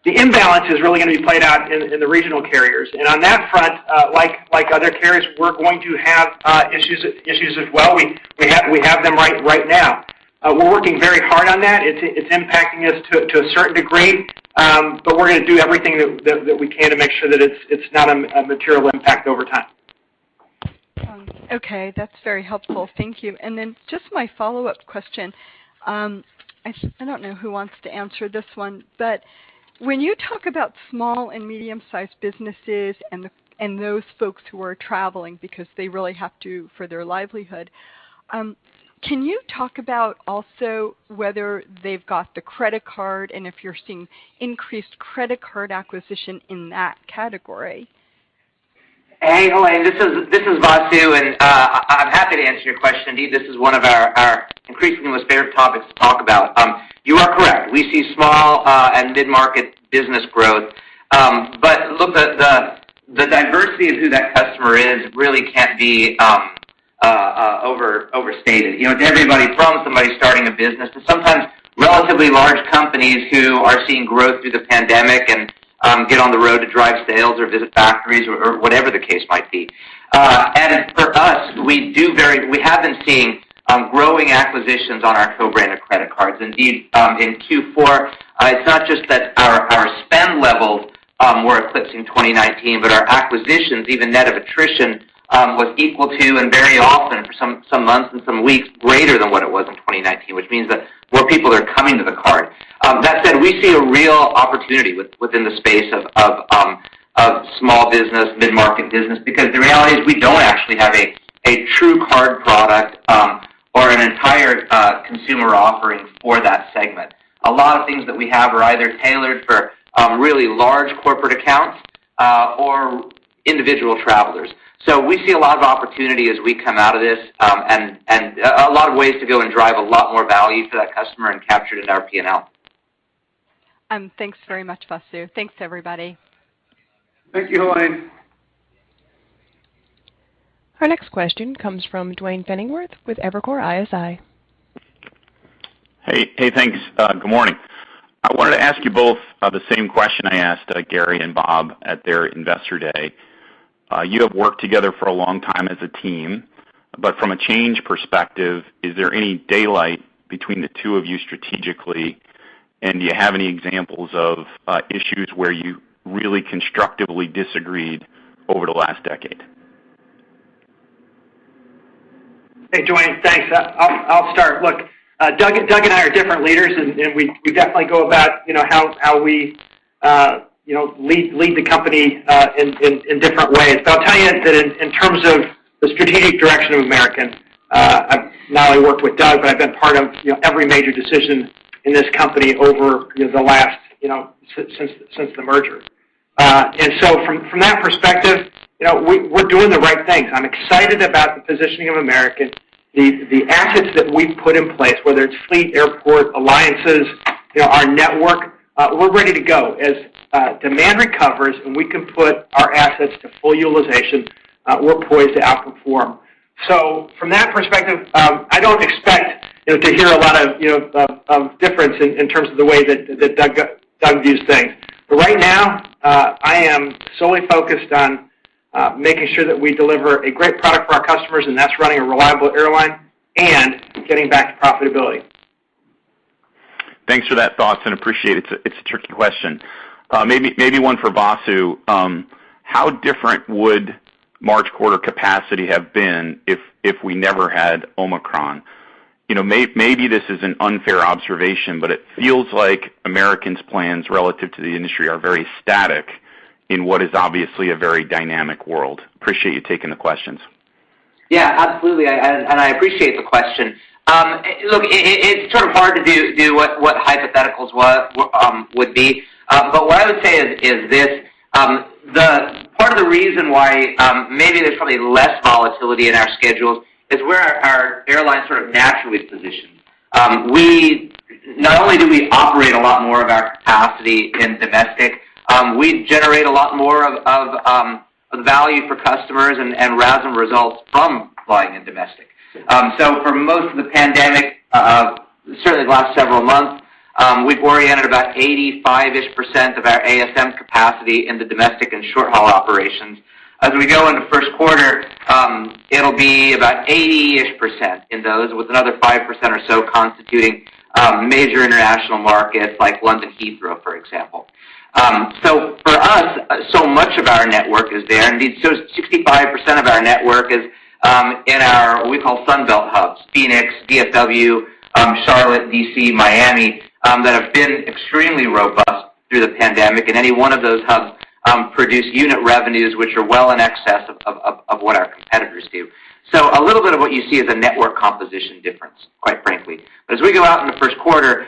The imbalance is really gonna be played out in the regional carriers. On that front, like other carriers, we're going to have issues as well. We have them right now. We're working very hard on that. It's impacting us to a certain degree, but we're gonna do everything that we can to make sure that it's not a material impact over time. Okay. That's very helpful. Thank you. Just my follow-up question. I don't know who wants to answer this one, but when you talk about small and medium-sized businesses and those folks who are traveling because they really have to for their livelihood, can you talk about also whether they've got the credit card and if you're seeing increased credit card acquisition in that category? Hey, Helane. This is Vasu, and I'm happy to answer your question. Indeed, this is one of our increasingly most favorite topics to talk about. You are correct. We see small and mid-market business growth. Look, the diversity of who that customer is really can't be overstated. You know, it's everybody from somebody starting a business to sometimes relatively large companies who are seeing growth through the pandemic and get on the road to drive sales or visit factories or whatever the case might be. For us, we haven't seen growing acquisitions on our co-branded credit cards. Indeed, in Q4, it's not just that our spend levels were eclipsing 2019, but our acquisitions, even net of attrition, was equal to and very often for some months and some weeks greater than what it was in 2019, which means that more people are coming to the card. That said, we see a real opportunity within the space of small business, mid-market business because the reality is we don't actually have a true card product or an entire consumer offering for that segment. A lot of things that we have are either tailored for really large corporate accounts or individual travelers. We see a lot of opportunity as we come out of this, and a lot of ways to go and drive a lot more value to that customer and capture it in our P&L. Thanks very much, Vasu. Thanks, everybody. Thank you, Helane. Our next question comes from Duane Pfennigwerth with Evercore ISI. Hey. Hey, thanks. Good morning. I wanted to ask you both, the same question I asked, Gary and Bob at their Investor Day. You have worked together for a long time as a team, but from a change perspective, is there any daylight between the two of you strategically? Do you have any examples of issues where you really constructively disagreed over the last decade? Hey, Duane. Thanks. I'll start. Look, Doug and I are different leaders and we definitely go about, you know, how we lead the company in different ways. I'll tell you that in terms of the strategic direction of American, I've not only worked with Doug, but I've been part of, you know, every major decision in this company over the last, you know, since the merger. From that perspective, you know, we're doing the right things. I'm excited about the positioning of American. The assets that we've put in place, whether it's fleet, airport, alliances, you know, our network, we're ready to go. As demand recovers and we can put our assets to full utilization, we're poised to outperform. From that perspective, I don't expect, you know, to hear a lot of, you know, of difference in terms of the way that Doug views things. Right now, I am solely focused on making sure that we deliver a great product for our customers, and that's running a reliable airline and getting back to profitability. Thanks for that thought. I appreciate it. It's a tricky question. Maybe one for Vasu. How different would March quarter capacity have been if we never had Omicron? You know, maybe this is an unfair observation, but it feels like American's plans relative to the industry are very static in what is obviously a very dynamic world. I appreciate you taking the questions. Yeah, absolutely, I appreciate the question. Look, it's sort of hard to do what hypotheticals would be. What I would say is this, the part of the reason why, maybe there's probably less volatility in our schedules is where our airline sort of naturally is positioned. We not only operate a lot more of our capacity in domestic, we generate a lot more of value for customers and RASM results from flying in domestic. For most of the pandemic, certainly the last several months, we've oriented about 85-ish percent of our ASM capacity into domestic and short-haul operations. As we go into first quarter, it'll be about 80-ish percent in those, with another 5% or so constituting major international markets like London Heathrow, for example. So much of our network is there. 65% of our network is in our what we call Sun Belt hubs, Phoenix, DFW, Charlotte, D.C., Miami, that have been extremely robust through the pandemic. Any one of those hubs produce unit revenues which are well in excess of what our competitors do. A little bit of what you see is a network composition difference, quite frankly. As we go out in the first quarter,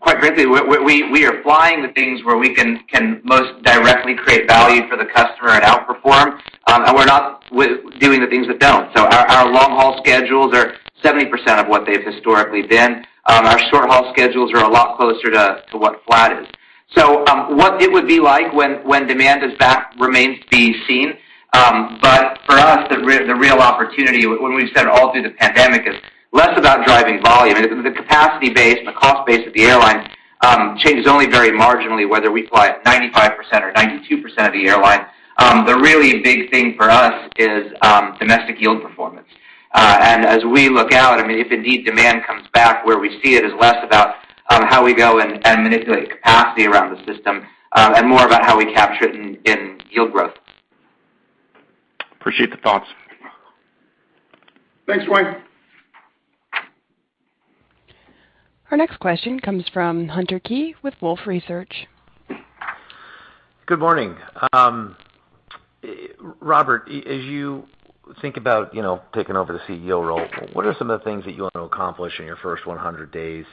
quite frankly, we are flying the things where we can most directly create value for the customer and outperform, and we're not doing the things that don't. Our long-haul schedules are 70% of what they've historically been. Our short-haul schedules are a lot closer to what flat is. What it would be like when demand is back remains to be seen. For us, the real opportunity when we've said all through the pandemic is less about driving volume. The capacity base and the cost base of the airlines changes only very marginally whether we fly at 95% or 92% of the airline. The really big thing for us is domestic yield performance. As we look out, I mean, if indeed demand comes back where we see it, is less about how we go and manipulate capacity around the system and more about how we capture it in yield growth. Appreciate the thoughts. Thanks, Duane. Our next question comes from Hunter Keay with Wolfe Research. Good morning. Robert, as you think about, you know, taking over the CEO role, what are some of the things that you want to accomplish in your first 100 days,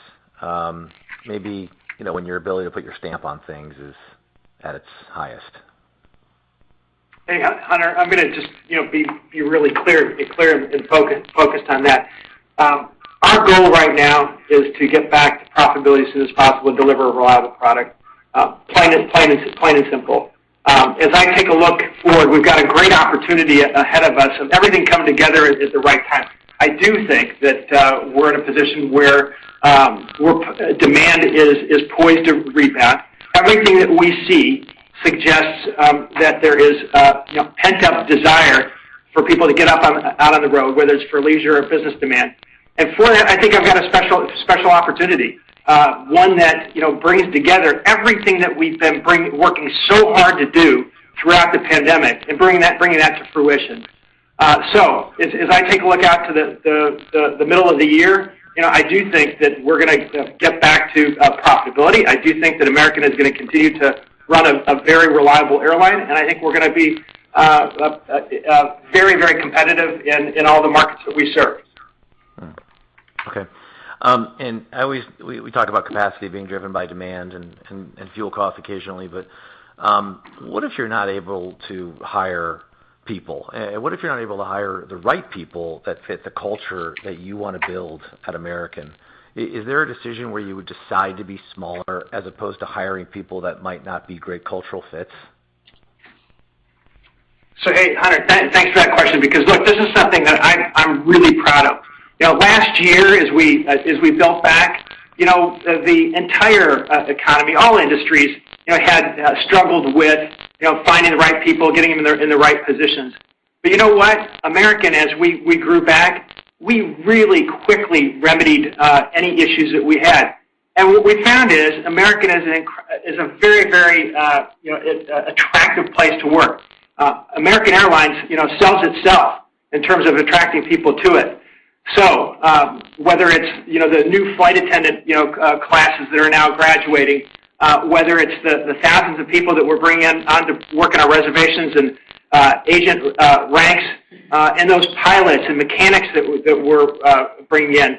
maybe, you know, when your ability to put your stamp on things is at its highest? Hey, Hunter. I'm gonna just be really clear and focused on that. Our goal right now is to get back to profitability as soon as possible and deliver a reliable product, plain and simple. As I take a look forward, we've got a great opportunity ahead of us with everything coming together at the right time. I do think that we're in a position where demand is poised to rebound. Everything that we see suggests that there is a you know, pent-up desire for people to get out on the road, whether it's for leisure or business demand. For that, I think I've got a special opportunity, one that, you know, brings together everything that we've been working so hard to do throughout the pandemic and bringing that to fruition. As I take a look out to the middle of the year, you know, I do think that we're gonna get back to profitability. I do think that American is gonna continue to run a very reliable airline, and I think we're gonna be very competitive in all the markets that we serve. We talked about capacity being driven by demand and fuel costs occasionally. What if you're not able to hire people? What if you're not able to hire the right people that fit the culture that you wanna build at American? Is there a decision where you would decide to be smaller as opposed to hiring people that might not be great cultural fits? Hey, Hunter, thanks for that question because, look, this is something that I'm really proud of. You know, last year, as we built back, you know, the entire economy, all industries, you know, had struggled with, you know, finding the right people, getting them in the right positions. You know what? American, as we grew back, we really quickly remedied any issues that we had. What we found is American is a very, you know, attractive place to work. American Airlines, you know, sells itself in terms of attracting people to it. Whether it's, you know, the new flight attendant, you know, classes that are now graduating, whether it's the thousands of people that we're bringing on to work in our reservations and agent ranks, and those pilots and mechanics that we're bringing in,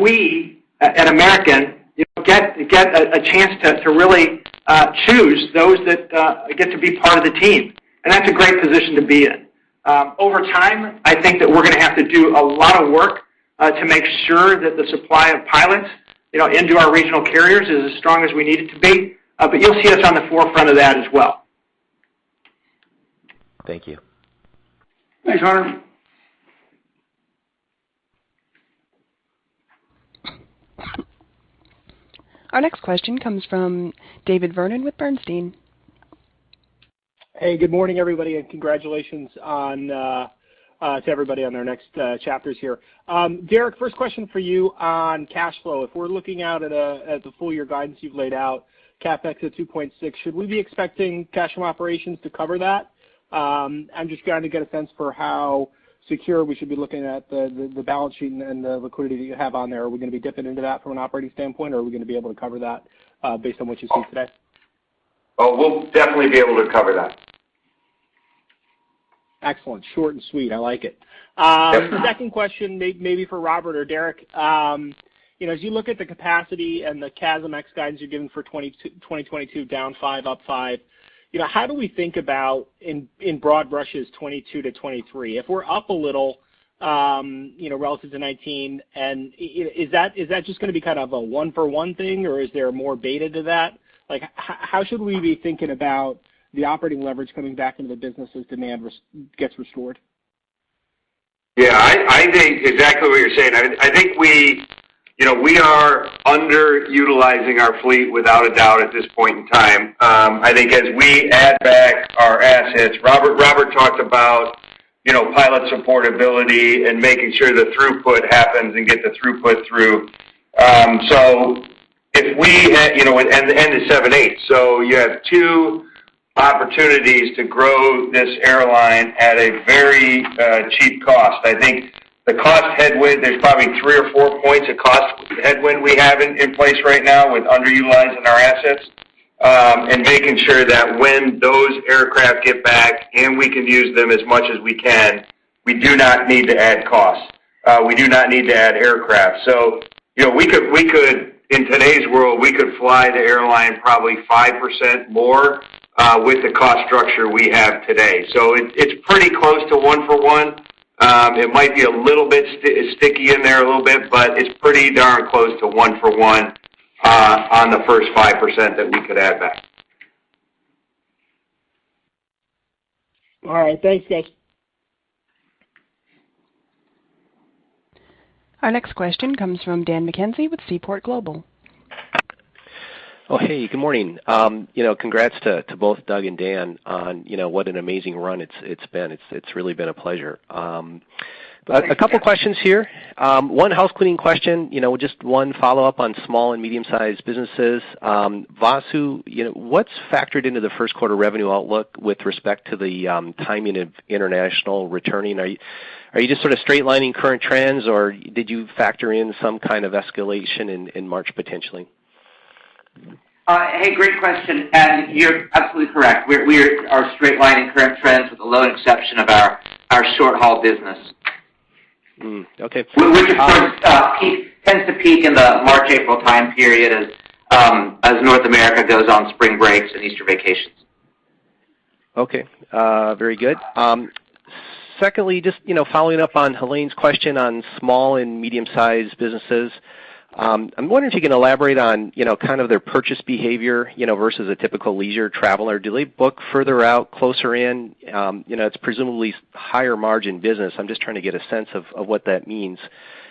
we at American, you know, get a chance to really choose those that get to be part of the team, and that's a great position to be in. Over time, I think that we're gonna have to do a lot of work to make sure that the supply of pilots, you know, into our regional carriers is as strong as we need it to be. You'll see us on the forefront of that as well. Thank you. Thanks, Hunter. Our next question comes from David Vernon with Bernstein. Hey, good morning, everybody, and congratulations to everybody on their next chapters here. Derek, first question for you on cash flow. If we're looking out at the full-year guidance you've laid out, CapEx at $2.6, should we be expecting cash from operations to cover that? I'm just trying to get a sense for how secure we should be looking at the balance sheet and the liquidity that you have on there. Are we gonna be dipping into that from an operating standpoint, or are we gonna be able to cover that based on what you see today? Oh, we'll definitely be able to cover that. Excellent. Short and sweet. I like it. Yes, sir. Second question maybe for Robert or Derek. You know, as you look at the capacity and the CASM-ex guidance you're giving for 2022, down 5%, up 5%, you know, how do we think about in broad brushes 2022 to 2023? If we're up a little, you know, relative to 2019, and is that just gonna be kind of a one-for-one thing, or is there more beta to that? Like, how should we be thinking about the operating leverage coming back into the business as demand gets restored? Yeah. I think exactly what you're saying. I think you know, we are underutilizing our fleet without a doubt at this point in time. I think as we add back our assets, Robert talked about, you know, pilot supportability and making sure the throughput happens and get the throughput through. If we had, you know, and the 787. You have two opportunities to grow this airline at a very cheap cost. I think the cost headwind, there's probably 3 or 4 points of cost headwind we have in place right now with underutilizing our assets, and making sure that when those aircraft get back and we can use them as much as we can, we do not need to add costs. We do not need to add aircraft. You know, in today's world, we could fly the airline probably 5% more with the cost structure we have today. It's pretty close to one for one. It might be a little bit sticky in there a little bit, but it's pretty darn close to one for one on the first 5% that we could add back. All right. Thanks, Dave. Our next question comes from Dan McKenzie with Seaport Global. Oh, hey, good morning. You know, congrats to both Doug and Dan on, you know, what an amazing run it's been. It's really been a pleasure. A couple questions here. One housecleaning question, you know, just one follow-up on small and medium-sized businesses. Vasu, you know, what's factored into the first quarter revenue outlook with respect to the timing of international returning? Are you just sort of straight lining current trends, or did you factor in some kind of escalation in March potentially? Hey, great question, and you're absolutely correct. We are straight lining current trends with the lone exception of our short-haul business. Okay. Which of course tends to peak in the March-April time period as North America goes on spring breaks and Easter vacations. Okay. Very good. Secondly, just, you know, following up on Helane's question on small and medium-sized businesses, I'm wondering if you can elaborate on, you know, kind of their purchase behavior, you know, versus a typical leisure traveler. Do they book further out, closer in? You know, it's presumably higher margin business. I'm just trying to get a sense of what that means.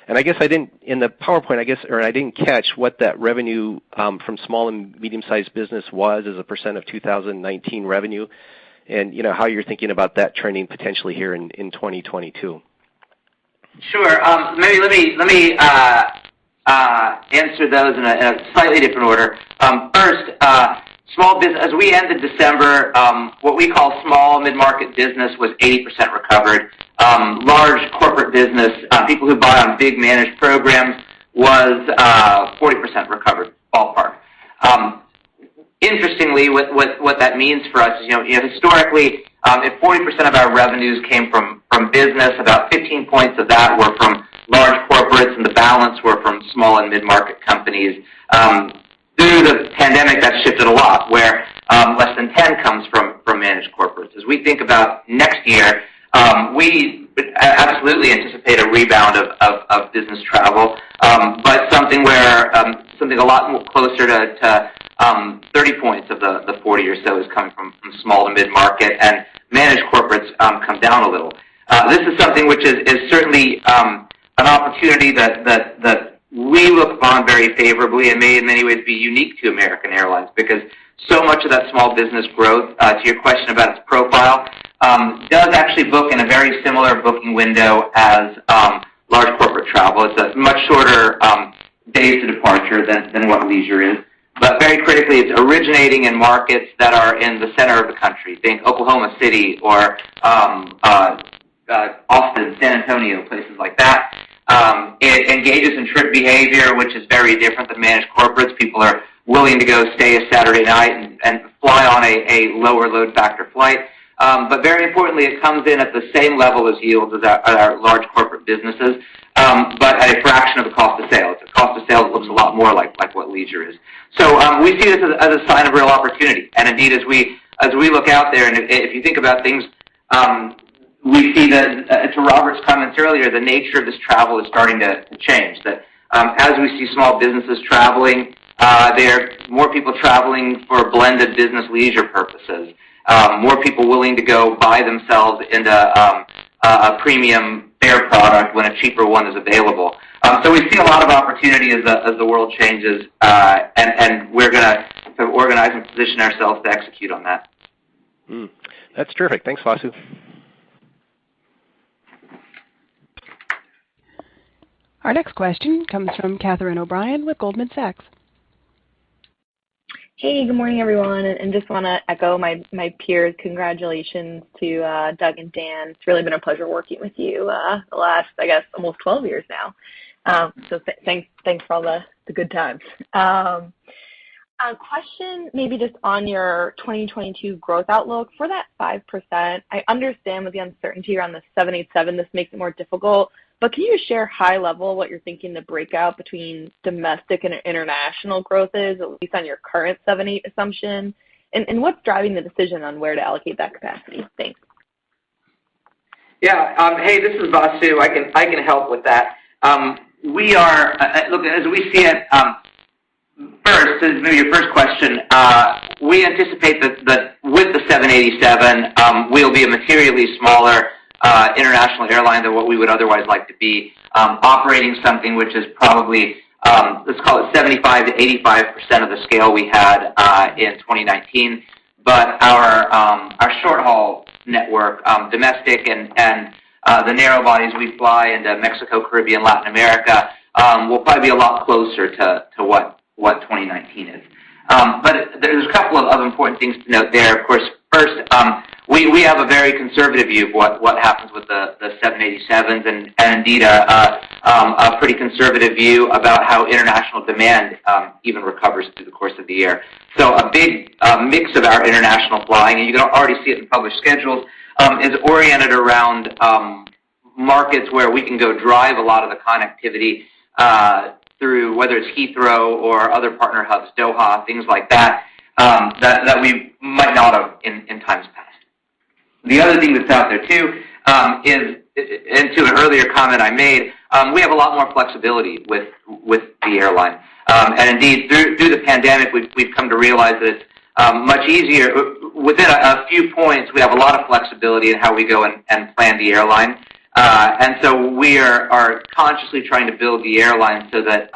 I guess in the PowerPoint, I guess, or I didn't catch what that revenue from small and medium-sized business was as a percentage of 2019 revenue, and you know, how you're thinking about that trending potentially here in 2022. Sure. Maybe let me answer those in a slightly different order. First, as we ended December, what we call small mid-market business was 80% recovered. Large corporate business, people who buy on big managed programs was 40% recovered, ballpark. Interestingly, what that means for us is, you know, historically, if 40% of our revenues came from business, about 15 points of that were from large corporates, and the balance were from small and mid-market companies. Through the pandemic, that shifted a lot, where less than 10 comes from managed corporates. As we think about next year, we absolutely anticipate a rebound of business travel, but something a lot more closer to 30 points of the 40 or so is coming from small to mid-market and managed corporates, come down a little. This is something which is certainly an opportunity that we look upon very favorably and may in many ways be unique to American Airlines because so much of that small business growth, to your question about its profile, does actually book in a very similar booking window as large corporate travel. It's a much shorter days to departure than what leisure is. Very critically, it's originating in markets that are in the center of the country, think Oklahoma City or Austin, San Antonio, places like that. It engages in trip behavior, which is very different than managed corporates. People are willing to go stay a Saturday night and fly on a lower load factor flight. Very importantly, it comes in at the same level as yields as our large corporate businesses, but at a fraction of the cost of sale. The cost of sales looks a lot more like what leisure is. We see this as a sign of real opportunity. Indeed, as we look out there, and if you think about things, we see that, and to Robert's comments earlier, the nature of this travel is starting to change. As we see small businesses traveling, there are more people traveling for blended business leisure purposes, more people willing to go buy themselves into a premium fare product when a cheaper one is available. We see a lot of opportunity as the world changes, and we're gonna organize and position ourselves to execute on that. That's terrific. Thanks, Vasu. Our next question comes from Catherine O'Brien with Goldman Sachs. Hey, good morning, everyone, and just wanna echo my peers. Congratulations to Doug and Dan. It's really been a pleasure working with you the last, I guess, almost 12 years now. So thanks for all the good times. A question maybe just on your 2022 growth outlook. For that 5%, I understand with the uncertainty around the 787, this makes it more difficult, but can you share high level what you're thinking the breakout between domestic and international growth is, at least on your current 787 assumption? What's driving the decision on where to allocate that capacity? Thanks. Hey, this is Vasu. I can help with that. Look, as we see it, first, this is maybe your first question, we anticipate this, that with the 787, we'll be a materially smaller international airline than what we would otherwise like to be, operating something which is probably, let's call it 75%-85% of the scale we had in 2019. Our short-haul network, domestic and the narrow bodies we fly into Mexico, Caribbean, Latin America, will probably be a lot closer to what 2019 is. There's a couple of other important things to note there. Of course, first, we have a very conservative view of what happens with the 787s and indeed a pretty conservative view about how international demand even recovers through the course of the year. A big mix of our international flying, and you can already see it in published schedules, is oriented around markets where we can go drive a lot of the connectivity through whether it's Heathrow or other partner hubs, Doha, things like that we might not have in times past. The other thing that's out there too is, and to an earlier comment I made, we have a lot more flexibility with the airline. Indeed, through the pandemic, we've come to realize that it's much easier. Within a few points, we have a lot of flexibility in how we go and plan the airline. We are consciously trying to build the airline so that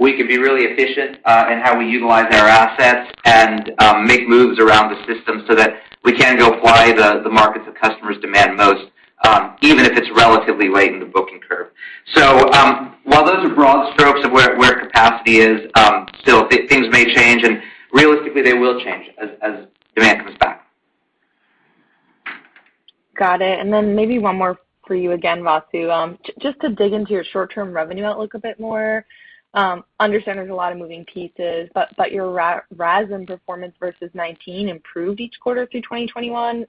we can be really efficient in how we utilize our assets and make moves around the system so that we can go fly the markets that customers demand most, even if it's relatively late in the booking curve. While those are broad strokes of where capacity is, still things may change, and realistically, they will change as demand comes back. Got it. Maybe one more for you again, Vasu. Just to dig into your short-term revenue outlook a bit more. I understand there's a lot of moving pieces, but your RASM performance versus 2019 improved each quarter through 2021.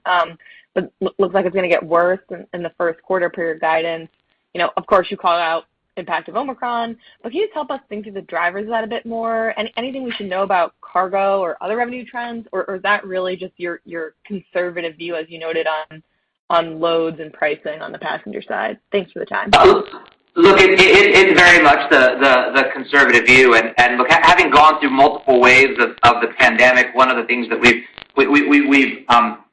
Looks like it's gonna get worse in the first quarter per your guidance. You know, of course, you called out impact of Omicron, but can you just help us think through the drivers of that a bit more? Anything we should know about cargo or other revenue trends or is that really just your conservative view, as you noted on loads and pricing on the passenger side? Thanks for the time. Look, conservative view. Having gone through multiple waves of the pandemic, one of the things that we've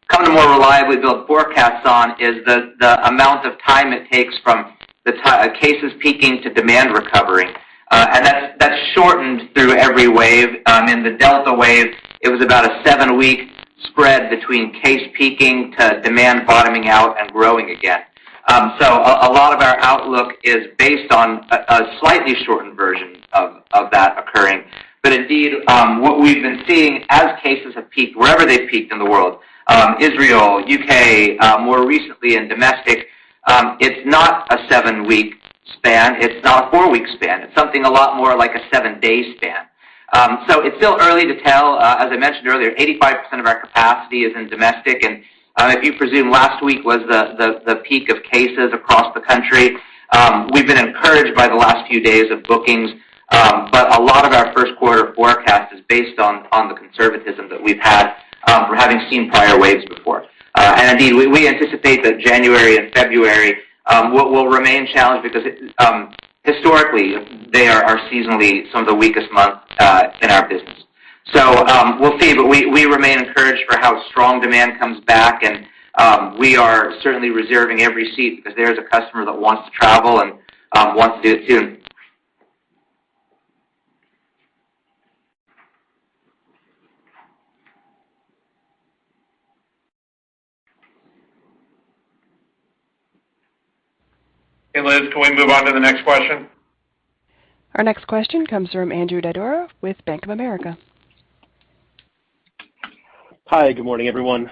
come to more reliably build forecasts on is the amount of time it takes from cases peaking to demand recovery. That's shortened through every wave. In the Delta wave, it was about a seven-week spread between case peaking to demand bottoming out and growing again. A lot of our outlook is based on a slightly shortened version of that occurring. Indeed, what we've been seeing as cases have peaked wherever they've peaked in the world, Israel, U.K., more recently in domestic, it's not a seven-week span, it's not a four-week span. It's something a lot more like a seven-day span. It's still early to tell. As I mentioned earlier, 85% of our capacity is in domestic. If you presume last week was the peak of cases across the country, we've been encouraged by the last few days of bookings. A lot of our first quarter forecast is based on the conservatism that we've had for having seen prior waves before. Indeed, we anticipate that January and February will remain challenged because historically they are seasonally some of the weakest months in our business. We'll see, but we remain encouraged for how strong demand comes back, and we are certainly reserving every seat because there's a customer that wants to travel and wants to do it soon. Liz, can we move on to the next question? Our next question comes from Andrew Didora with Bank of America. Hi, good morning, everyone.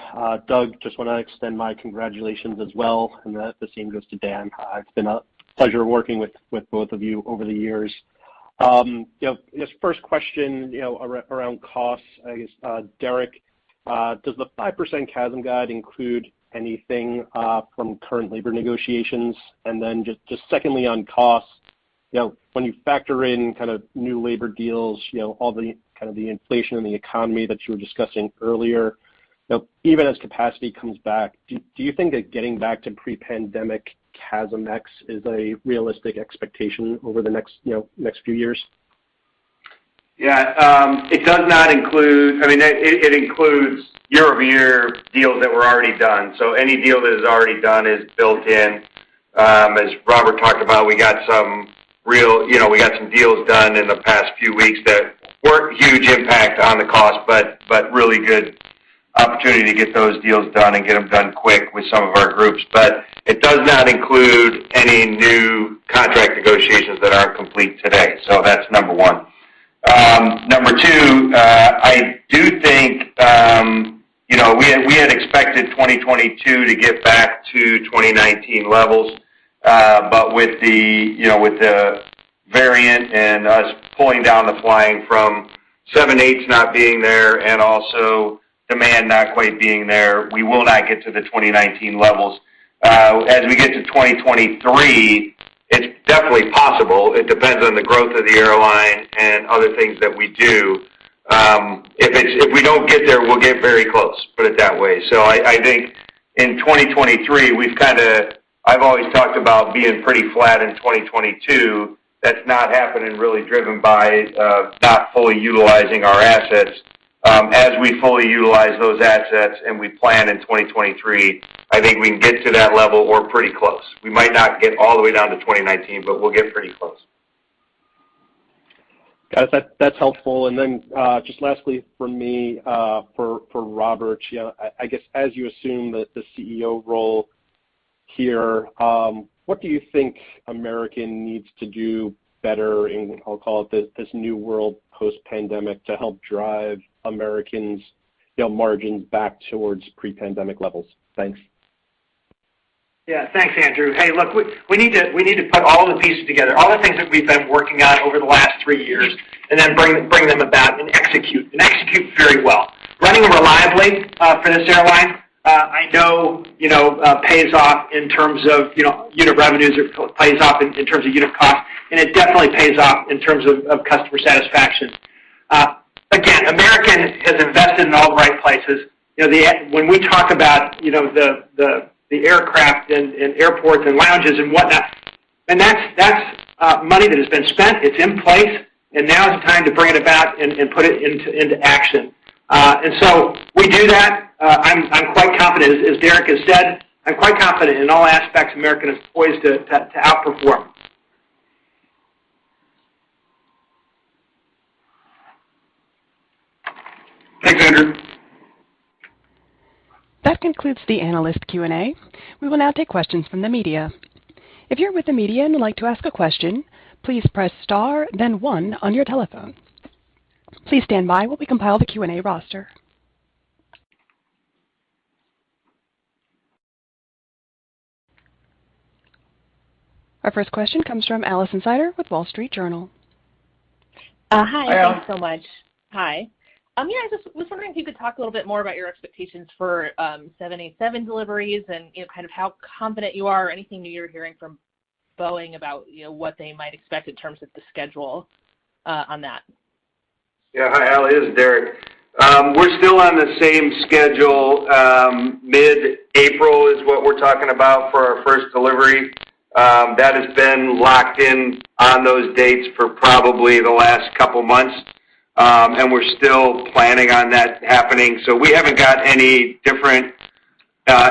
Doug, just wanna extend my congratulations as well, and the same goes to Dan. It's been a pleasure working with both of you over the years. You know, I guess first question, you know, around costs, I guess, Derek, does the 5% CASM guide include anything from current labor negotiations? Just secondly, on costs, you know, when you factor in kind of new labor deals, you know, all the inflation in the economy that you were discussing earlier, you know, even as capacity comes back, do you think that getting back to pre-pandemic CASM-ex is a realistic expectation over the next few years? I mean, it includes year-over-year deals that were already done. Any deal that is already done is built in. As Robert talked about, we got some real, you know, we got some deals done in the past few weeks that weren't huge impact on the cost, but really good opportunity to get those deals done and get them done quick with some of our groups. It does not include any new contract negotiations that aren't complete today. That's number one. Number two, I do think you know we had expected 2022 to get back to 2019 levels, but with the you know with the variant and us pulling down the flying from 787s not being there and also demand not quite being there, we will not get to the 2019 levels. As we get to 2023, it's definitely possible. It depends on the growth of the airline and other things that we do. If we don't get there, we'll get very close, put it that way. I think in 2023, I've always talked about being pretty flat in 2022. That's not happening really driven by not fully utilizing our assets. As we fully utilize those assets and we plan in 2023, I think we can get to that level or pretty close. We might not get all the way down to 2019, but we'll get pretty close. Got it. That's helpful. Just lastly from me, for Robert, you know, I guess as you assume the CEO role here, what do you think American needs to do better in, I'll call it this new world post-pandemic to help drive American's, you know, margins back towards pre-pandemic levels? Thanks. Yeah, thanks, Andrew. Hey, look, we need to put all the pieces together, all the things that we've been working on over the last three years, and then bring them about and execute very well. Running reliably for this airline, I know, you know, pays off in terms of, you know, unit revenues. It pays off in terms of unit costs, and it definitely pays off in terms of customer satisfaction. Again, American has invested in all the right places. You know, when we talk about, you know, the aircraft and airports and lounges and whatnot, and that's money that has been spent, it's in place, and now is the time to bring it about and put it into action. We do that. I'm quite confident, as Derek has said, I'm quite confident in all aspects American is poised to outperform. Thanks, Andrew. That concludes the analyst Q&A. We will now take questions from the media. If you're with the media and would like to ask a question, please press star then one on your telephone. Please stand by while we compile the Q&A roster. Our first question comes from Alison Sider with Wall Street Journal. Hi. Hi, Alison. Thanks so much. Hi. Yeah, I just was wondering if you could talk a little bit more about your expectations for 787 deliveries and, you know, kind of how confident you are or anything new you're hearing from Boeing about, you know, what they might expect in terms of the schedule on that. Yeah. Hi, Alison. This is Derek. We're still on the same schedule. Mid-April is what we're talking about for our first delivery. That has been locked in on those dates for probably the last couple months, and we're still planning on that happening. We haven't got any different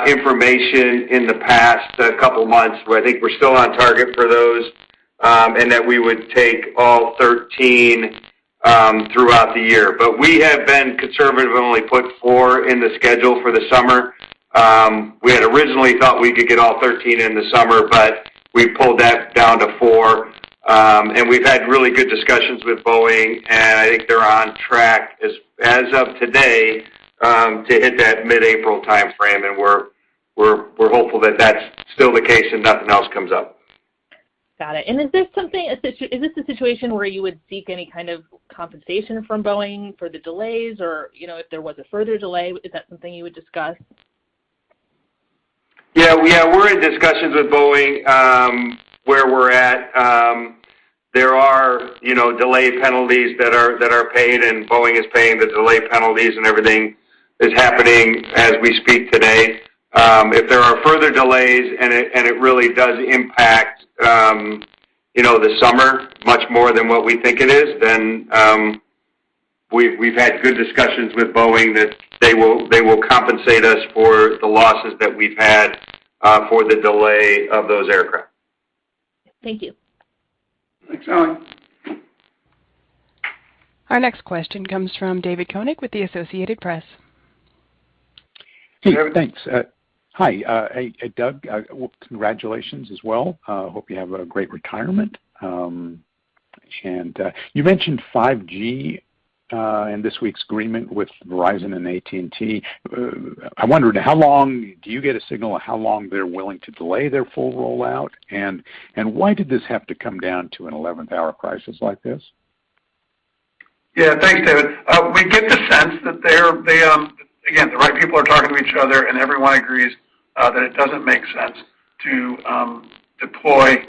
information in the past couple months, but I think we're still on target for those, and that we would take all 13 throughout the year. We have been conservative and only put four in the schedule for the summer. We had originally thought we could get all 13 in the summer, but we pulled that down to four. We've had really good discussions with Boeing, and I think they're on track as of today to hit that mid-April timeframe, and we're hopeful that that's still the case and nothing else comes up. Got it. Is this a situation where you would seek any kind of compensation from Boeing for the delays? Or, you know, if there was a further delay, is that something you would discuss? Yeah. Yeah. We're in discussions with Boeing, where we're at. There are, you know, delay penalties that are paid, and Boeing is paying the delay penalties, and everything is happening as we speak today. If there are further delays and it really does impact, you know, the summer much more than what we think it is, then we've had good discussions with Boeing that they will compensate us for the losses that we've had, for the delay of those aircraft. Thank you. Thanks, Alison. Our next question comes from David Koenig with the Associated Press. Hey, David. Thanks. Hi, hey, Doug. Congratulations as well. Hope you have a great retirement. You mentioned 5G in this week's agreement with Verizon and AT&T. I wondered how strong a signal do you have on how long they're willing to delay their full rollout, and why did this have to come down to an eleventh-hour crisis like this? Yeah. Thanks, David. We get the sense that again, the right people are talking to each other, and everyone agrees that it doesn't make sense to deploy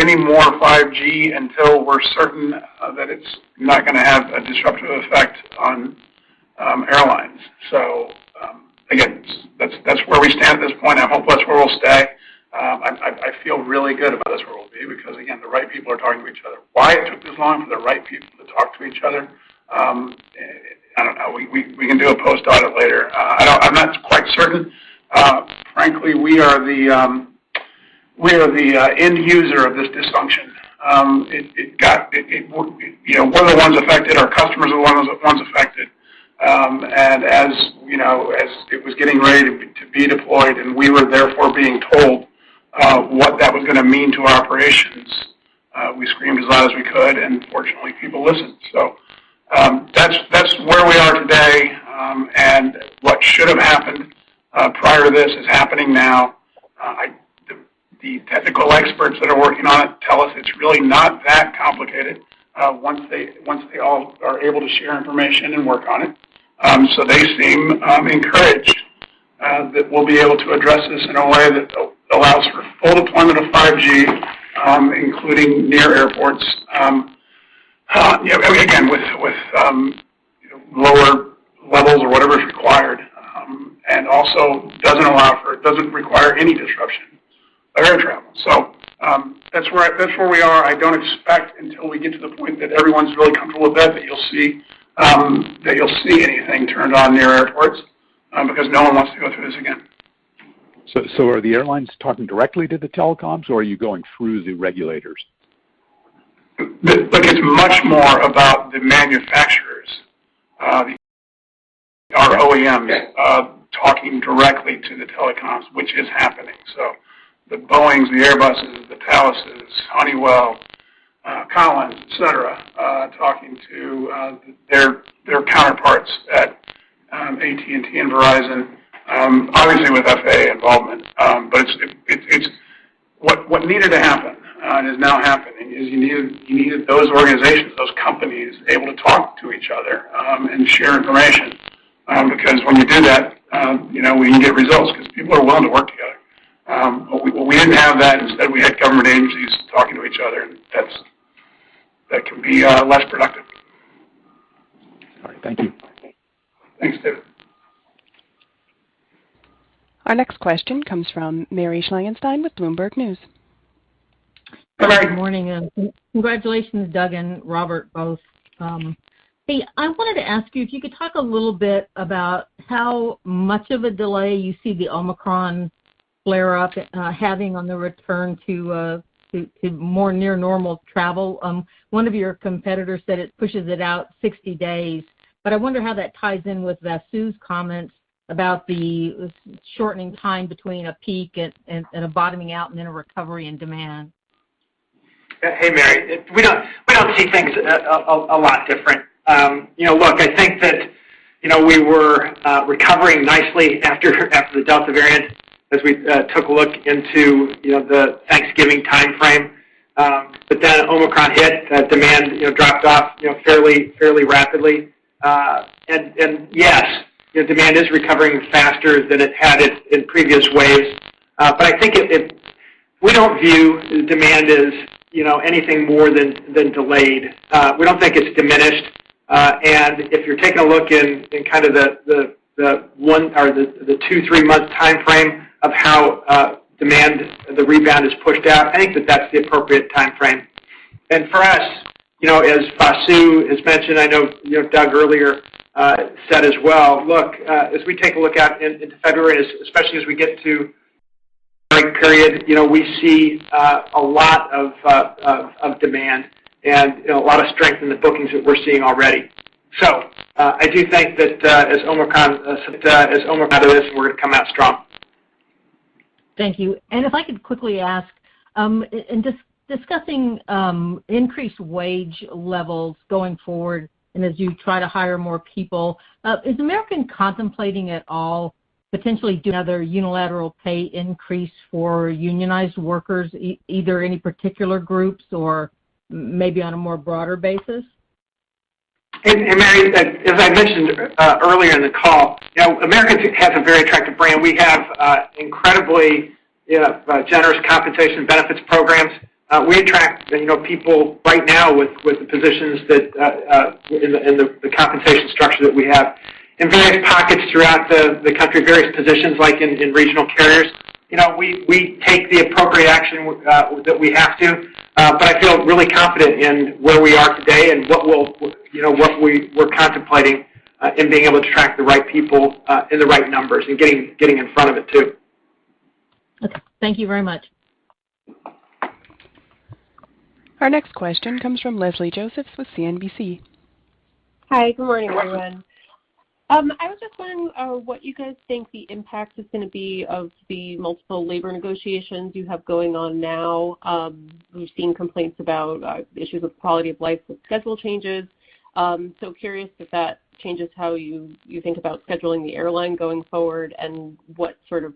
any more 5G until we're certain that it's not gonna have a disruptive effect on airlines. Again, that's where we stand at this point, and I hope that's where we'll stay. I feel really good about this where we'll be because, again, the right people are talking to each other. Why it took this long for the right people to talk to each other? I don't know. We can do a post audit later. I'm not quite certain. Frankly, we are the end user of this dysfunction. You know, we're the ones affected, our customers are one of those affected. As you know, as it was getting ready to be deployed, and we were therefore being told what that was gonna mean to our operations, we screamed as loud as we could, and fortunately, people listened. That's where we are today, and what should have happened prior to this is happening now. The technical experts that are working on it tell us it's really not that complicated once they all are able to share information and work on it. They seem encouraged that we'll be able to address this in a way that allows for full deployment of 5G, including near airports, again, with you know, lower levels or whatever is required, and also doesn't require any disruption of air travel. That's where we are. I don't expect until we get to the point that everyone's really comfortable with that you'll see anything turned on near airports, because no one wants to go through this again. So are the airlines talking directly to the telecoms, or are you going through the regulators? Look, it's much more about the manufacturers, our OEMs, talking directly to the telecoms, which is happening. The Boeings, the Airbuses, the Thales, Honeywell, Collins, et cetera, talking to their counterparts at AT&T and Verizon, obviously with FAA involvement. What needed to happen and is now happening is you needed those organizations, those companies able to talk to each other and share information. Because when we do that, you know, we can get results 'cause people are willing to work together. We didn't have that. Instead, we had government agencies talking to each other, and that can be less productive. All right. Thank you. Thanks, David. Our next question comes from Mary Schlangenstein with Bloomberg News. Good morning, and congratulations, Doug and Robert both. Hey, I wanted to ask you if you could talk a little bit about how much of a delay you see the Omicron flare-up having on the return to more near normal travel. One of your competitors said it pushes it out 60 days, but I wonder how that ties in with Vasu's comments about the shortening time between a peak and a bottoming out and then a recovery and demand. Hey, Mary. We don't see things a lot different. You know, look, I think that, you know, we were recovering nicely after the Delta variant as we took a look into, you know, the Thanksgiving timeframe. Omicron hit. Demand, you know, dropped off, you know, fairly rapidly. Yes, the demand is recovering faster than it had in previous waves. I think we don't view demand as, you know, anything more than delayed. We don't think it's diminished. If you're taking a look in kind of the one or the two, three-month timeframe of how the rebound is pushed out, I think that that's the appropriate timeframe. For us, you know, as Sue has mentioned, I know, you know, Doug earlier said as well, look, as we take a look out into February, especially as we get to spring period, you know, we see a lot of demand and, you know, a lot of strength in the bookings that we're seeing already. I do think that, as Omicron is, we're gonna come out strong. Thank you. If I could quickly ask, in discussing increased wage levels going forward and as you try to hire more people, is American contemplating at all potentially doing other unilateral pay increase for unionized workers either any particular groups or maybe on a more broader basis? Mary, as I mentioned earlier in the call, you know, American has a very attractive brand. We have incredibly, you know, generous compensation benefits programs. We attract, you know, people right now with the positions that in the compensation structure that we have. In various pockets throughout the country, various positions like in regional carriers, you know, we take the appropriate action that we have to, but I feel really confident in where we are today and what we're contemplating, you know, in being able to attract the right people in the right numbers and getting in front of it too. Okay. Thank you very much. Our next question comes from Leslie Josephs with CNBC. Hi. Good morning, everyone. I was just wondering what you guys think the impact is gonna be of the multiple labor negotiations you have going on now. We've seen complaints about issues with quality of life with schedule changes. Curious if that changes how you think about scheduling the airline going forward and what sort of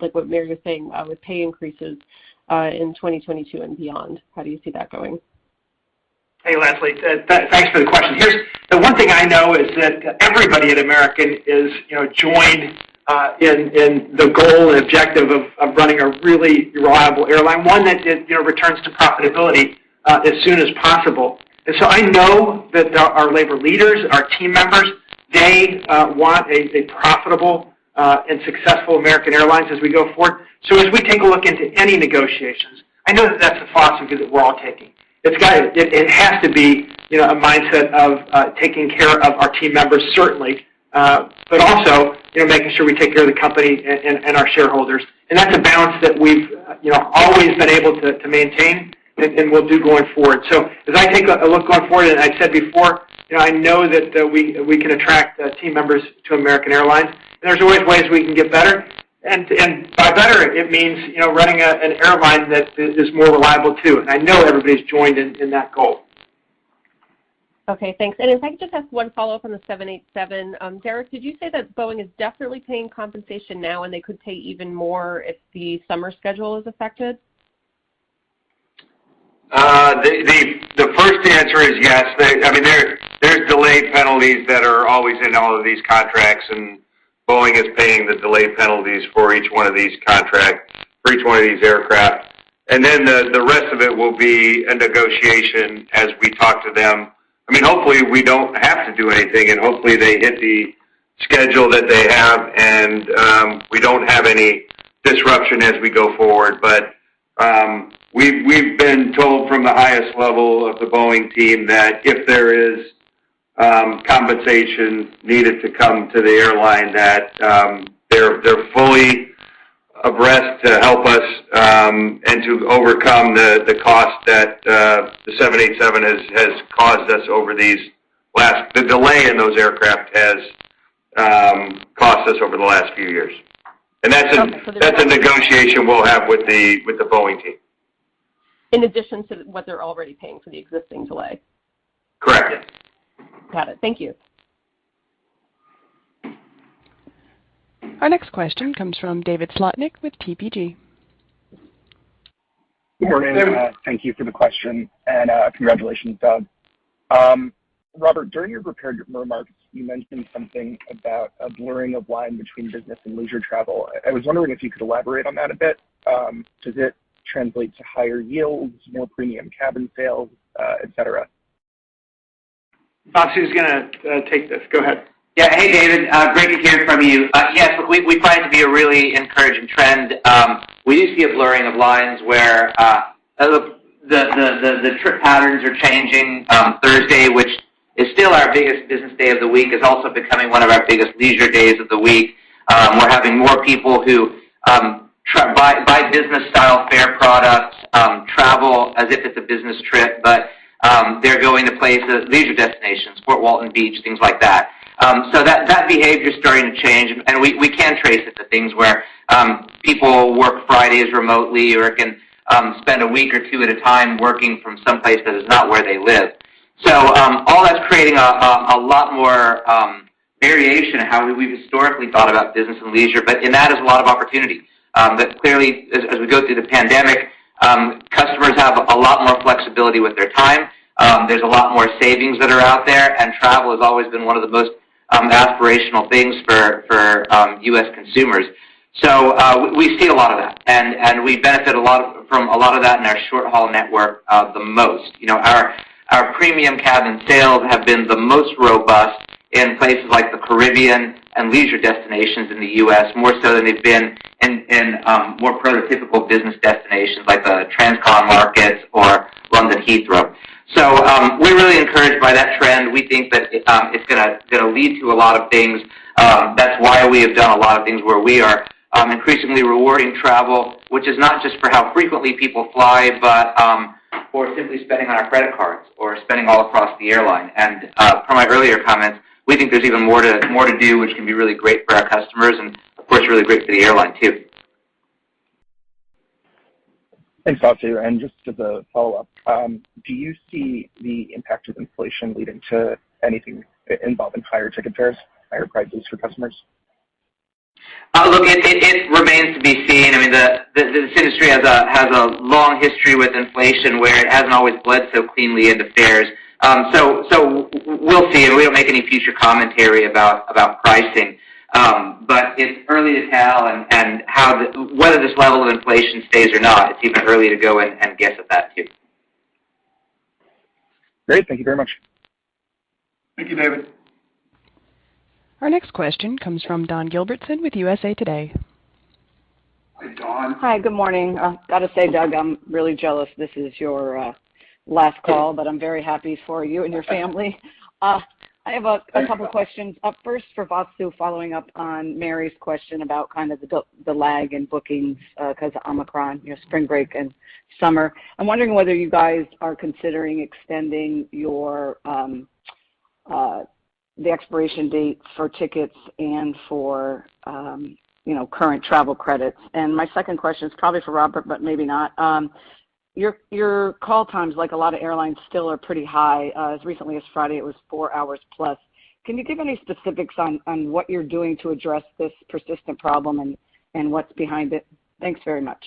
like what Mary was saying with pay increases in 2022 and beyond. How do you see that going? Hey, Leslie. Thanks for the question. The one thing I know is that everybody at American is, you know, joined in the goal and objective of running a really reliable airline, one that, you know, returns to profitability as soon as possible. I know that our labor leaders, our team members, they want a profitable and successful American Airlines as we go forward. As we take a look into any negotiations, I know that that's the posture because we're all taking. It has to be, you know, a mindset of taking care of our team members, certainly, but also, you know, making sure we take care of the company and our shareholders. That's a balance that we've you know always been able to maintain and will do going forward. As I take a look going forward, and I said before, you know, I know that we can attract team members to American Airlines, and there's always ways we can get better. By better, it means you know running an airline that is more reliable too. I know everybody's joined in that goal. Okay, thanks. If I could just ask one follow-up on the 787. Derek, did you say that Boeing is definitely paying compensation now and they could pay even more if the summer schedule is affected? The first answer is yes. I mean, there's delayed penalties that are always in all of these contracts, and Boeing is paying the delayed penalties for each one of these contracts, for each one of these aircrafts. The rest of it will be a negotiation as we talk to them. I mean, hopefully, we don't have to do anything, and hopefully, they hit the schedule that they have, and we don't have any disruption as we go forward. We've been told from the highest level of the Boeing team that if there is compensation needed to come to the airline that they're fully abreast to help us and to overcome the cost that the 787 has caused us. The delay in those aircraft has cost us over the last few years. Okay. That's a negotiation we'll have with the Boeing team. In addition to what they're already paying for the existing delay? Correct. Got it. Thank you. Our next question comes from David Slotnick with TPG. Yes, David. Thank you for the question, and congratulations, Doug. Robert, during your prepared remarks, you mentioned something about a blurring of line between business and leisure travel. I was wondering if you could elaborate on that a bit. Does it translate to higher yields, more premium cabin sales, et cetera? Vasu is gonna take this. Go ahead. Yeah. Hey, David. Great to hear from you. Yes, we find it to be a really encouraging trend. We do see a blurring of lines where the trip patterns are changing. Thursday, which is still our biggest business day of the week, is also becoming one of our biggest leisure days of the week. We're having more people who buy business-style fare products, travel as if it's a business trip, but they're going to places, leisure destinations, Fort Walton Beach, things like that. That behavior is starting to change, and we can trace it to things where people work Fridays remotely or can spend a week or two at a time working from some place that is not where they live. All that's creating a lot more variation in how we've historically thought about business and leisure, but in that is a lot of opportunity. That's clearly as we go through the pandemic. Consumers have a lot more flexibility with their time. There's a lot more savings that are out there, and travel has always been one of the most aspirational things for U.S. consumers. We see a lot of that, and we benefited a lot from a lot of that in our short-haul network, the most. Our premium cabin sales have been the most robust in places like the Caribbean and leisure destinations in the U.S., more so than they've been in more prototypical business destinations like the transcon markets or London Heathrow. We're really encouraged by that trend. We think that, it's gonna lead to a lot of things. That's why we have done a lot of things where we are, increasingly rewarding travel, which is not just for how frequently people fly, but, for simply spending on our credit cards or spending all across the airline. From my earlier comments, we think there's even more to do, which can be really great for our customers and of course really great for the airline too. Thanks, Vasu. Just as a follow-up, do you see the impact of inflation leading to anything involving higher ticket fares, higher prices for customers? Look, it remains to be seen. I mean, this industry has a long history with inflation where it hasn't always bled so cleanly into fares. We'll see. We don't make any future commentary about pricing. It's early to tell whether this level of inflation stays or not. It's even early to go and guess at that too. Great. Thank you very much. Thank you, David. Our next question comes from Dawn Gilbertson with USA Today. Hi, Dawn. Hi. Good morning. Gotta say, Doug, I'm really jealous this is your last call, but I'm very happy for you and your family. I have a couple questions. First for Vasu, following up on Mary's question about kind of the lag in bookings 'cause of Omicron, you know, spring break and summer. I'm wondering whether you guys are considering extending the expiration date for tickets and for current travel credits. My second question is probably for Robert, but maybe not. Your call times, like a lot of airlines, still are pretty high. As recently as Friday, it was four hours plus. Can you give any specifics on what you're doing to address this persistent problem and what's behind it? Thanks very much.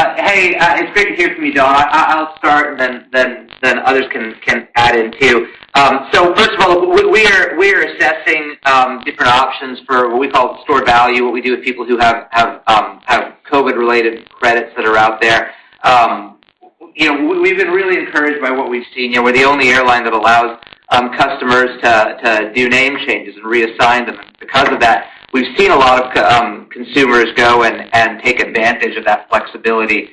Hey, it's great to hear from you, Dawn. I'll start and then others can add in too. First of all, we are assessing different options for what we call stored value, what we do with people who have COVID-related credits that are out there. You know, we've been really encouraged by what we've seen. You know, we're the only airline that allows customers to do name changes and reassign them because of that. We've seen a lot of consumers go and take advantage of that flexibility.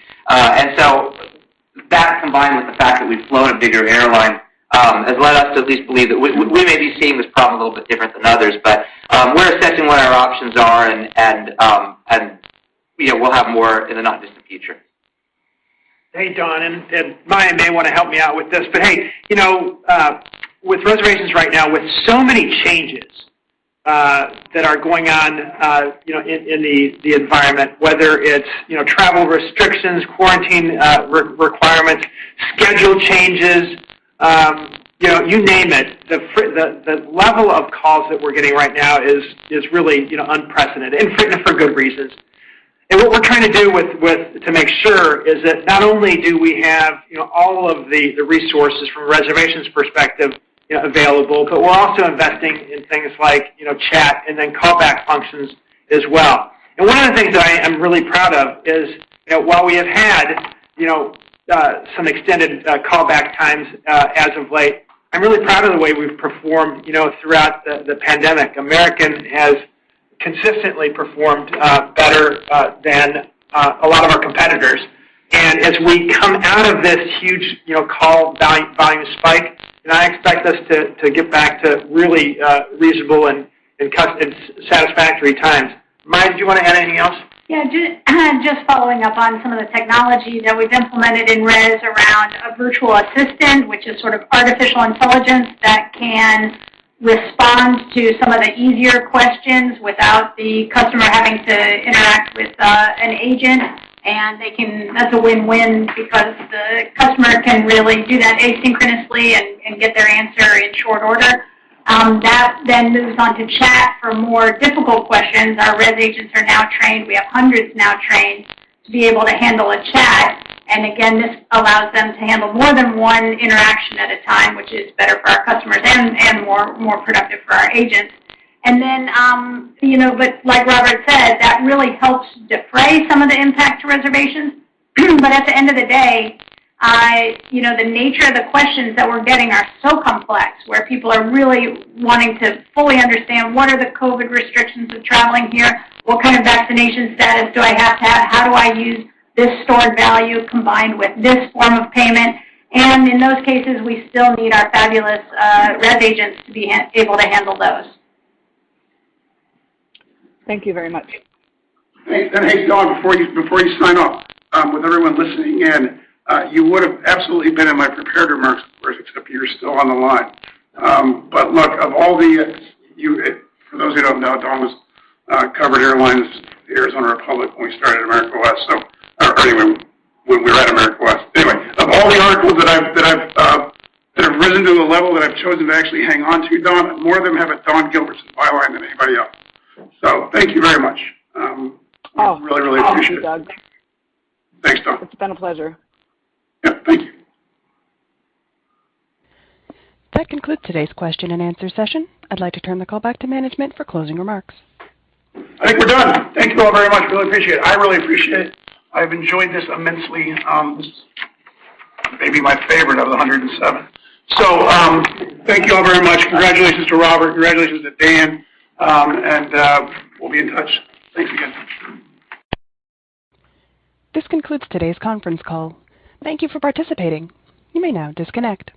That combined with the fact that we've flown a bigger airline has led us to at least believe that we may be seeing this problem a little bit different than others. We're assessing what our options are and you know we'll have more in the not-distant future. Hey, Dawn, and Maya may wanna help me out with this, but hey, you know, with reservations right now, with so many changes that are going on, you know, in the environment, whether it's, you know, travel restrictions, quarantine requirements, schedule changes, you know, you name it, the level of calls that we're getting right now is really, you know, unprecedented and for good reasons. What we're trying to do to make sure is that not only do we have, you know, all of the resources from a reservations perspective, you know, available, but we're also investing in things like, you know, chat and then callback functions as well. One of the things that I am really proud of is, you know, while we have had, you know, some extended callback times as of late, I'm really proud of the way we've performed, you know, throughout the pandemic. American has consistently performed better than a lot of our competitors. As we come out of this huge, you know, call volume spike, then I expect us to get back to really reasonable and satisfactory times. Maya, did you wanna add anything else? Yeah, just following up on some of the technology that we've implemented in res around a virtual assistant, which is sort of artificial intelligence that can respond to some of the easier questions without the customer having to interact with an agent, and they can. That's a win-win because the customer can really do that asynchronously and get their answer in short order. That then moves on to chat for more difficult questions. Our res agents are now trained. We have hundreds now trained to be able to handle a chat, and again, this allows them to handle more than one interaction at a time, which is better for our customers and more productive for our agents. You know, like Robert said, that really helps defray some of the impact to reservations. At the end of the day, you know, the nature of the questions that we're getting are so complex, where people are really wanting to fully understand what are the COVID restrictions of traveling here, what kind of vaccination status do I have to have, how do I use this stored value combined with this form of payment, and in those cases, we still need our fabulous, res agents to be able to handle those. Thank you very much. Hey, Dawn, before you sign off, with everyone listening in, you would have absolutely been in my prepared remarks, of course, except you're still on the line. For those who don't know, Dawn covered airlines at the Arizona Republic when we started America West, or even when we were at America West. Anyway, of all the articles that have risen to the level that I've chosen to actually hang on to, Dawn, more of them have a Dawn Gilbertson byline than anybody else. Thank you very much. I really appreciate it. Oh, thank you, Doug. Thanks, Dawn. It's been a pleasure. Yeah. Thank you. That concludes today's question-and-answer session. I'd like to turn the call back to management for closing remarks. I think we're done. Thank you all very much. Really appreciate it. I really appreciate it. I've enjoyed this immensely. This is maybe my favorite of the 107. Thank you all very much. Congratulations to Robert. Congratulations to Dan. We'll be in touch. Thanks again. This concludes today's conference call. Thank you for participating. You may now disconnect.